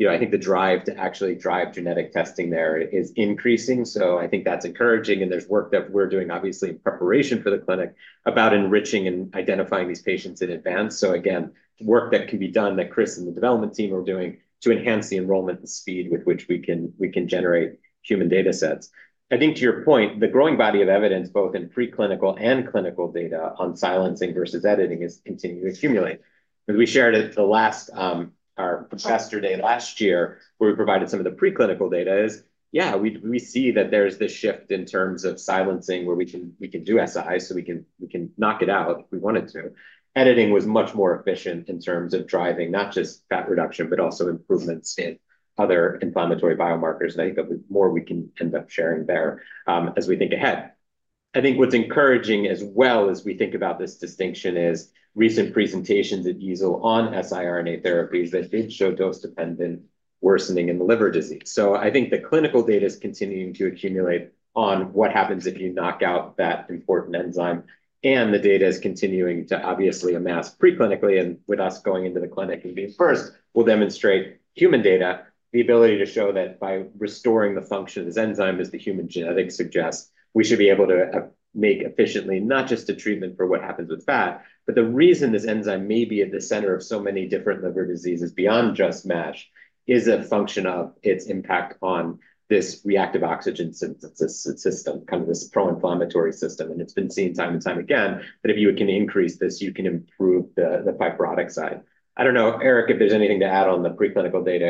Speaker 3: I think the drive to actually drive genetic testing there is increasing, so I think that's encouraging. There's work that we're doing, obviously, in preparation for the clinic about enriching and identifying these patients in advance. Again, work that can be done that Chris and the development team are doing to enhance the enrollment and speed with which we can generate human data sets. I think to your point, the growing body of evidence, both in preclinical and clinical data on silencing versus editing, is continuing to accumulate. As we shared at our investor day last year, where we provided some of the preclinical data is, yeah, we see that there's this shift in terms of silencing where we can do siRNA, so we can knock it out if we wanted to. Editing was much more efficient in terms of driving not just fat reduction, but also improvements in other inflammatory biomarkers, and I think there'll be more we can end up sharing there as we think ahead. I think what's encouraging as well, as we think about this distinction, is recent presentations at EASL on siRNA therapies that did show dose-dependent worsening in the liver disease. I think the clinical data is continuing to accumulate on what happens if you knock out that important enzyme, and the data is continuing to obviously amass preclinically. With us going into the clinic and being first, we'll demonstrate human data, the ability to show that by restoring the function of this enzyme, as the human genetics suggests, we should be able to make efficiently not just a treatment for what happens with fat. The reason this enzyme may be at the center of so many different liver diseases beyond just MASH is a function of its impact on this reactive oxygen system, this pro-inflammatory system. It's been seen time and time again that if you can increase this, you can improve the fibrotic side. I don't know, Erik, if there's anything to add on the preclinical data.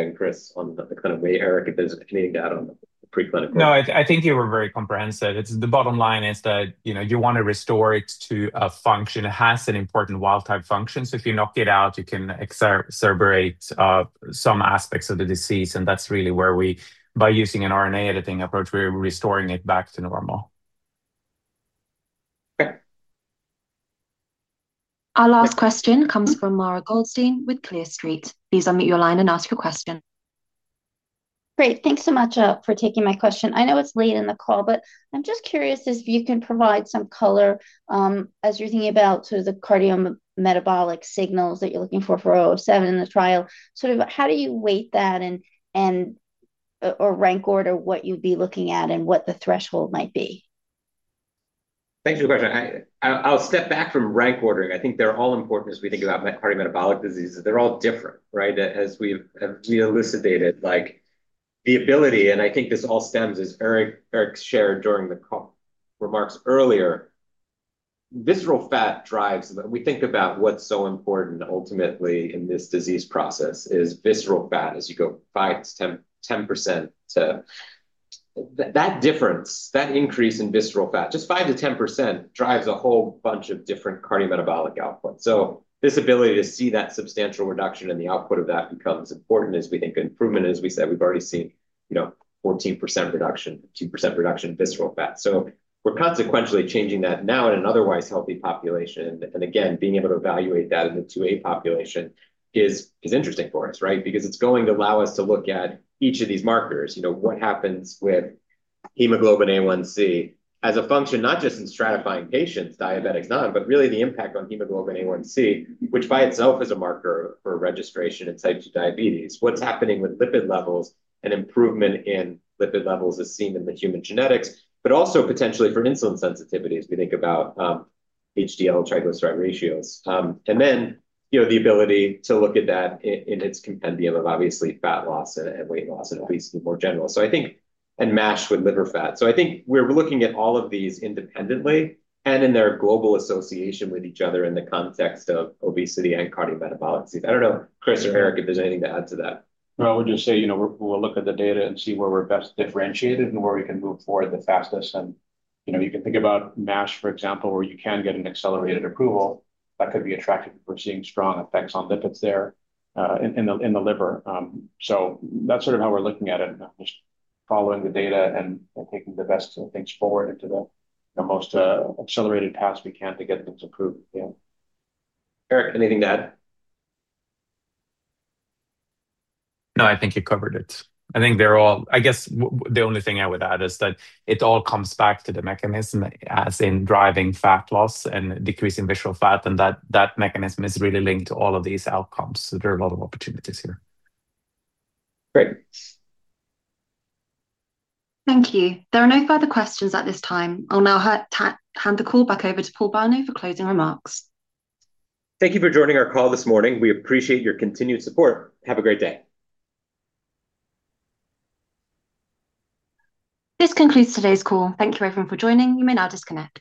Speaker 4: No, I think you were very comprehensive. The bottom line is that you want to restore it to a function. It has an important wild-type function, so if you knock it out, you can exacerbate some aspects of the disease. That's really where we, by using an RNA editing approach, we're restoring it back to normal.
Speaker 3: Yeah.
Speaker 1: Our last question comes from Mara Goldstein with Clear Street. Please unmute your line and ask your question.
Speaker 21: Great. Thanks so much for taking my question. I know it's late in the call, but I'm just curious if you can provide some color as you're thinking about the cardiometabolic signals that you're looking for WVE-007 in the trial. How do you weight that or rank order what you'd be looking at and what the threshold might be?
Speaker 3: Thanks for your question. I'll step back from rank ordering. I think they're all important as we think about cardiometabolic diseases. They're all different, right? As we elucidated, the ability, and I think this all stems as Erik shared during the remarks earlier, we think about what's so important ultimately in this disease process is visceral fat. As you go 5%-10%, that difference, that increase in visceral fat, just 5%-10%, drives a whole bunch of different cardiometabolic outputs. This ability to see that substantial reduction in the output of that becomes important as we think of improvement. As we said, we've already seen 14% reduction, 2% reduction in visceral fat. We're consequentially changing that now in an otherwise healthy population. Again, being able to evaluate that in the phase IIa population is interesting for us, right? It's going to allow us to look at each of these markers. What happens with hemoglobin A1c as a function, not just in stratifying patients, diabetics, non, but really the impact on hemoglobin A1c, which by itself is a marker for registration in type 2 diabetes. What's happening with lipid levels and improvement in lipid levels as seen in the human genetics, but also potentially for insulin sensitivity as we think about HDL/triglyceride ratios. The ability to look at that in its compendium of obviously fat loss and weight loss and obesity more general, and MASH with liver fat. I think we're looking at all of these independently and in their global association with each other in the context of obesity and cardiometabolic disease. I don't know, Chris or Erik, if there's anything to add to that.
Speaker 5: No, I would just say, we'll look at the data and see where we're best differentiated and where we can move forward the fastest. You can think about MASH, for example, where you can get an accelerated approval that could be attractive if we're seeing strong effects on lipids there in the liver. That's sort of how we're looking at it, and just following the data and taking the best things forward into the most accelerated paths we can to get things approved. Yeah.
Speaker 3: Erik, anything to add?
Speaker 4: No, I think you covered it. I guess the only thing I would add is that it all comes back to the mechanism as in driving fat loss and decreasing visceral fat, and that mechanism is really linked to all of these outcomes. There are a lot of opportunities here.
Speaker 3: Great.
Speaker 1: Thank you. There are no further questions at this time. I'll now hand the call back over to Paul Bolno for closing remarks.
Speaker 3: Thank you for joining our call this morning. We appreciate your continued support. Have a great day.
Speaker 1: This concludes today's call. Thank you, everyone, for joining. You may now disconnect.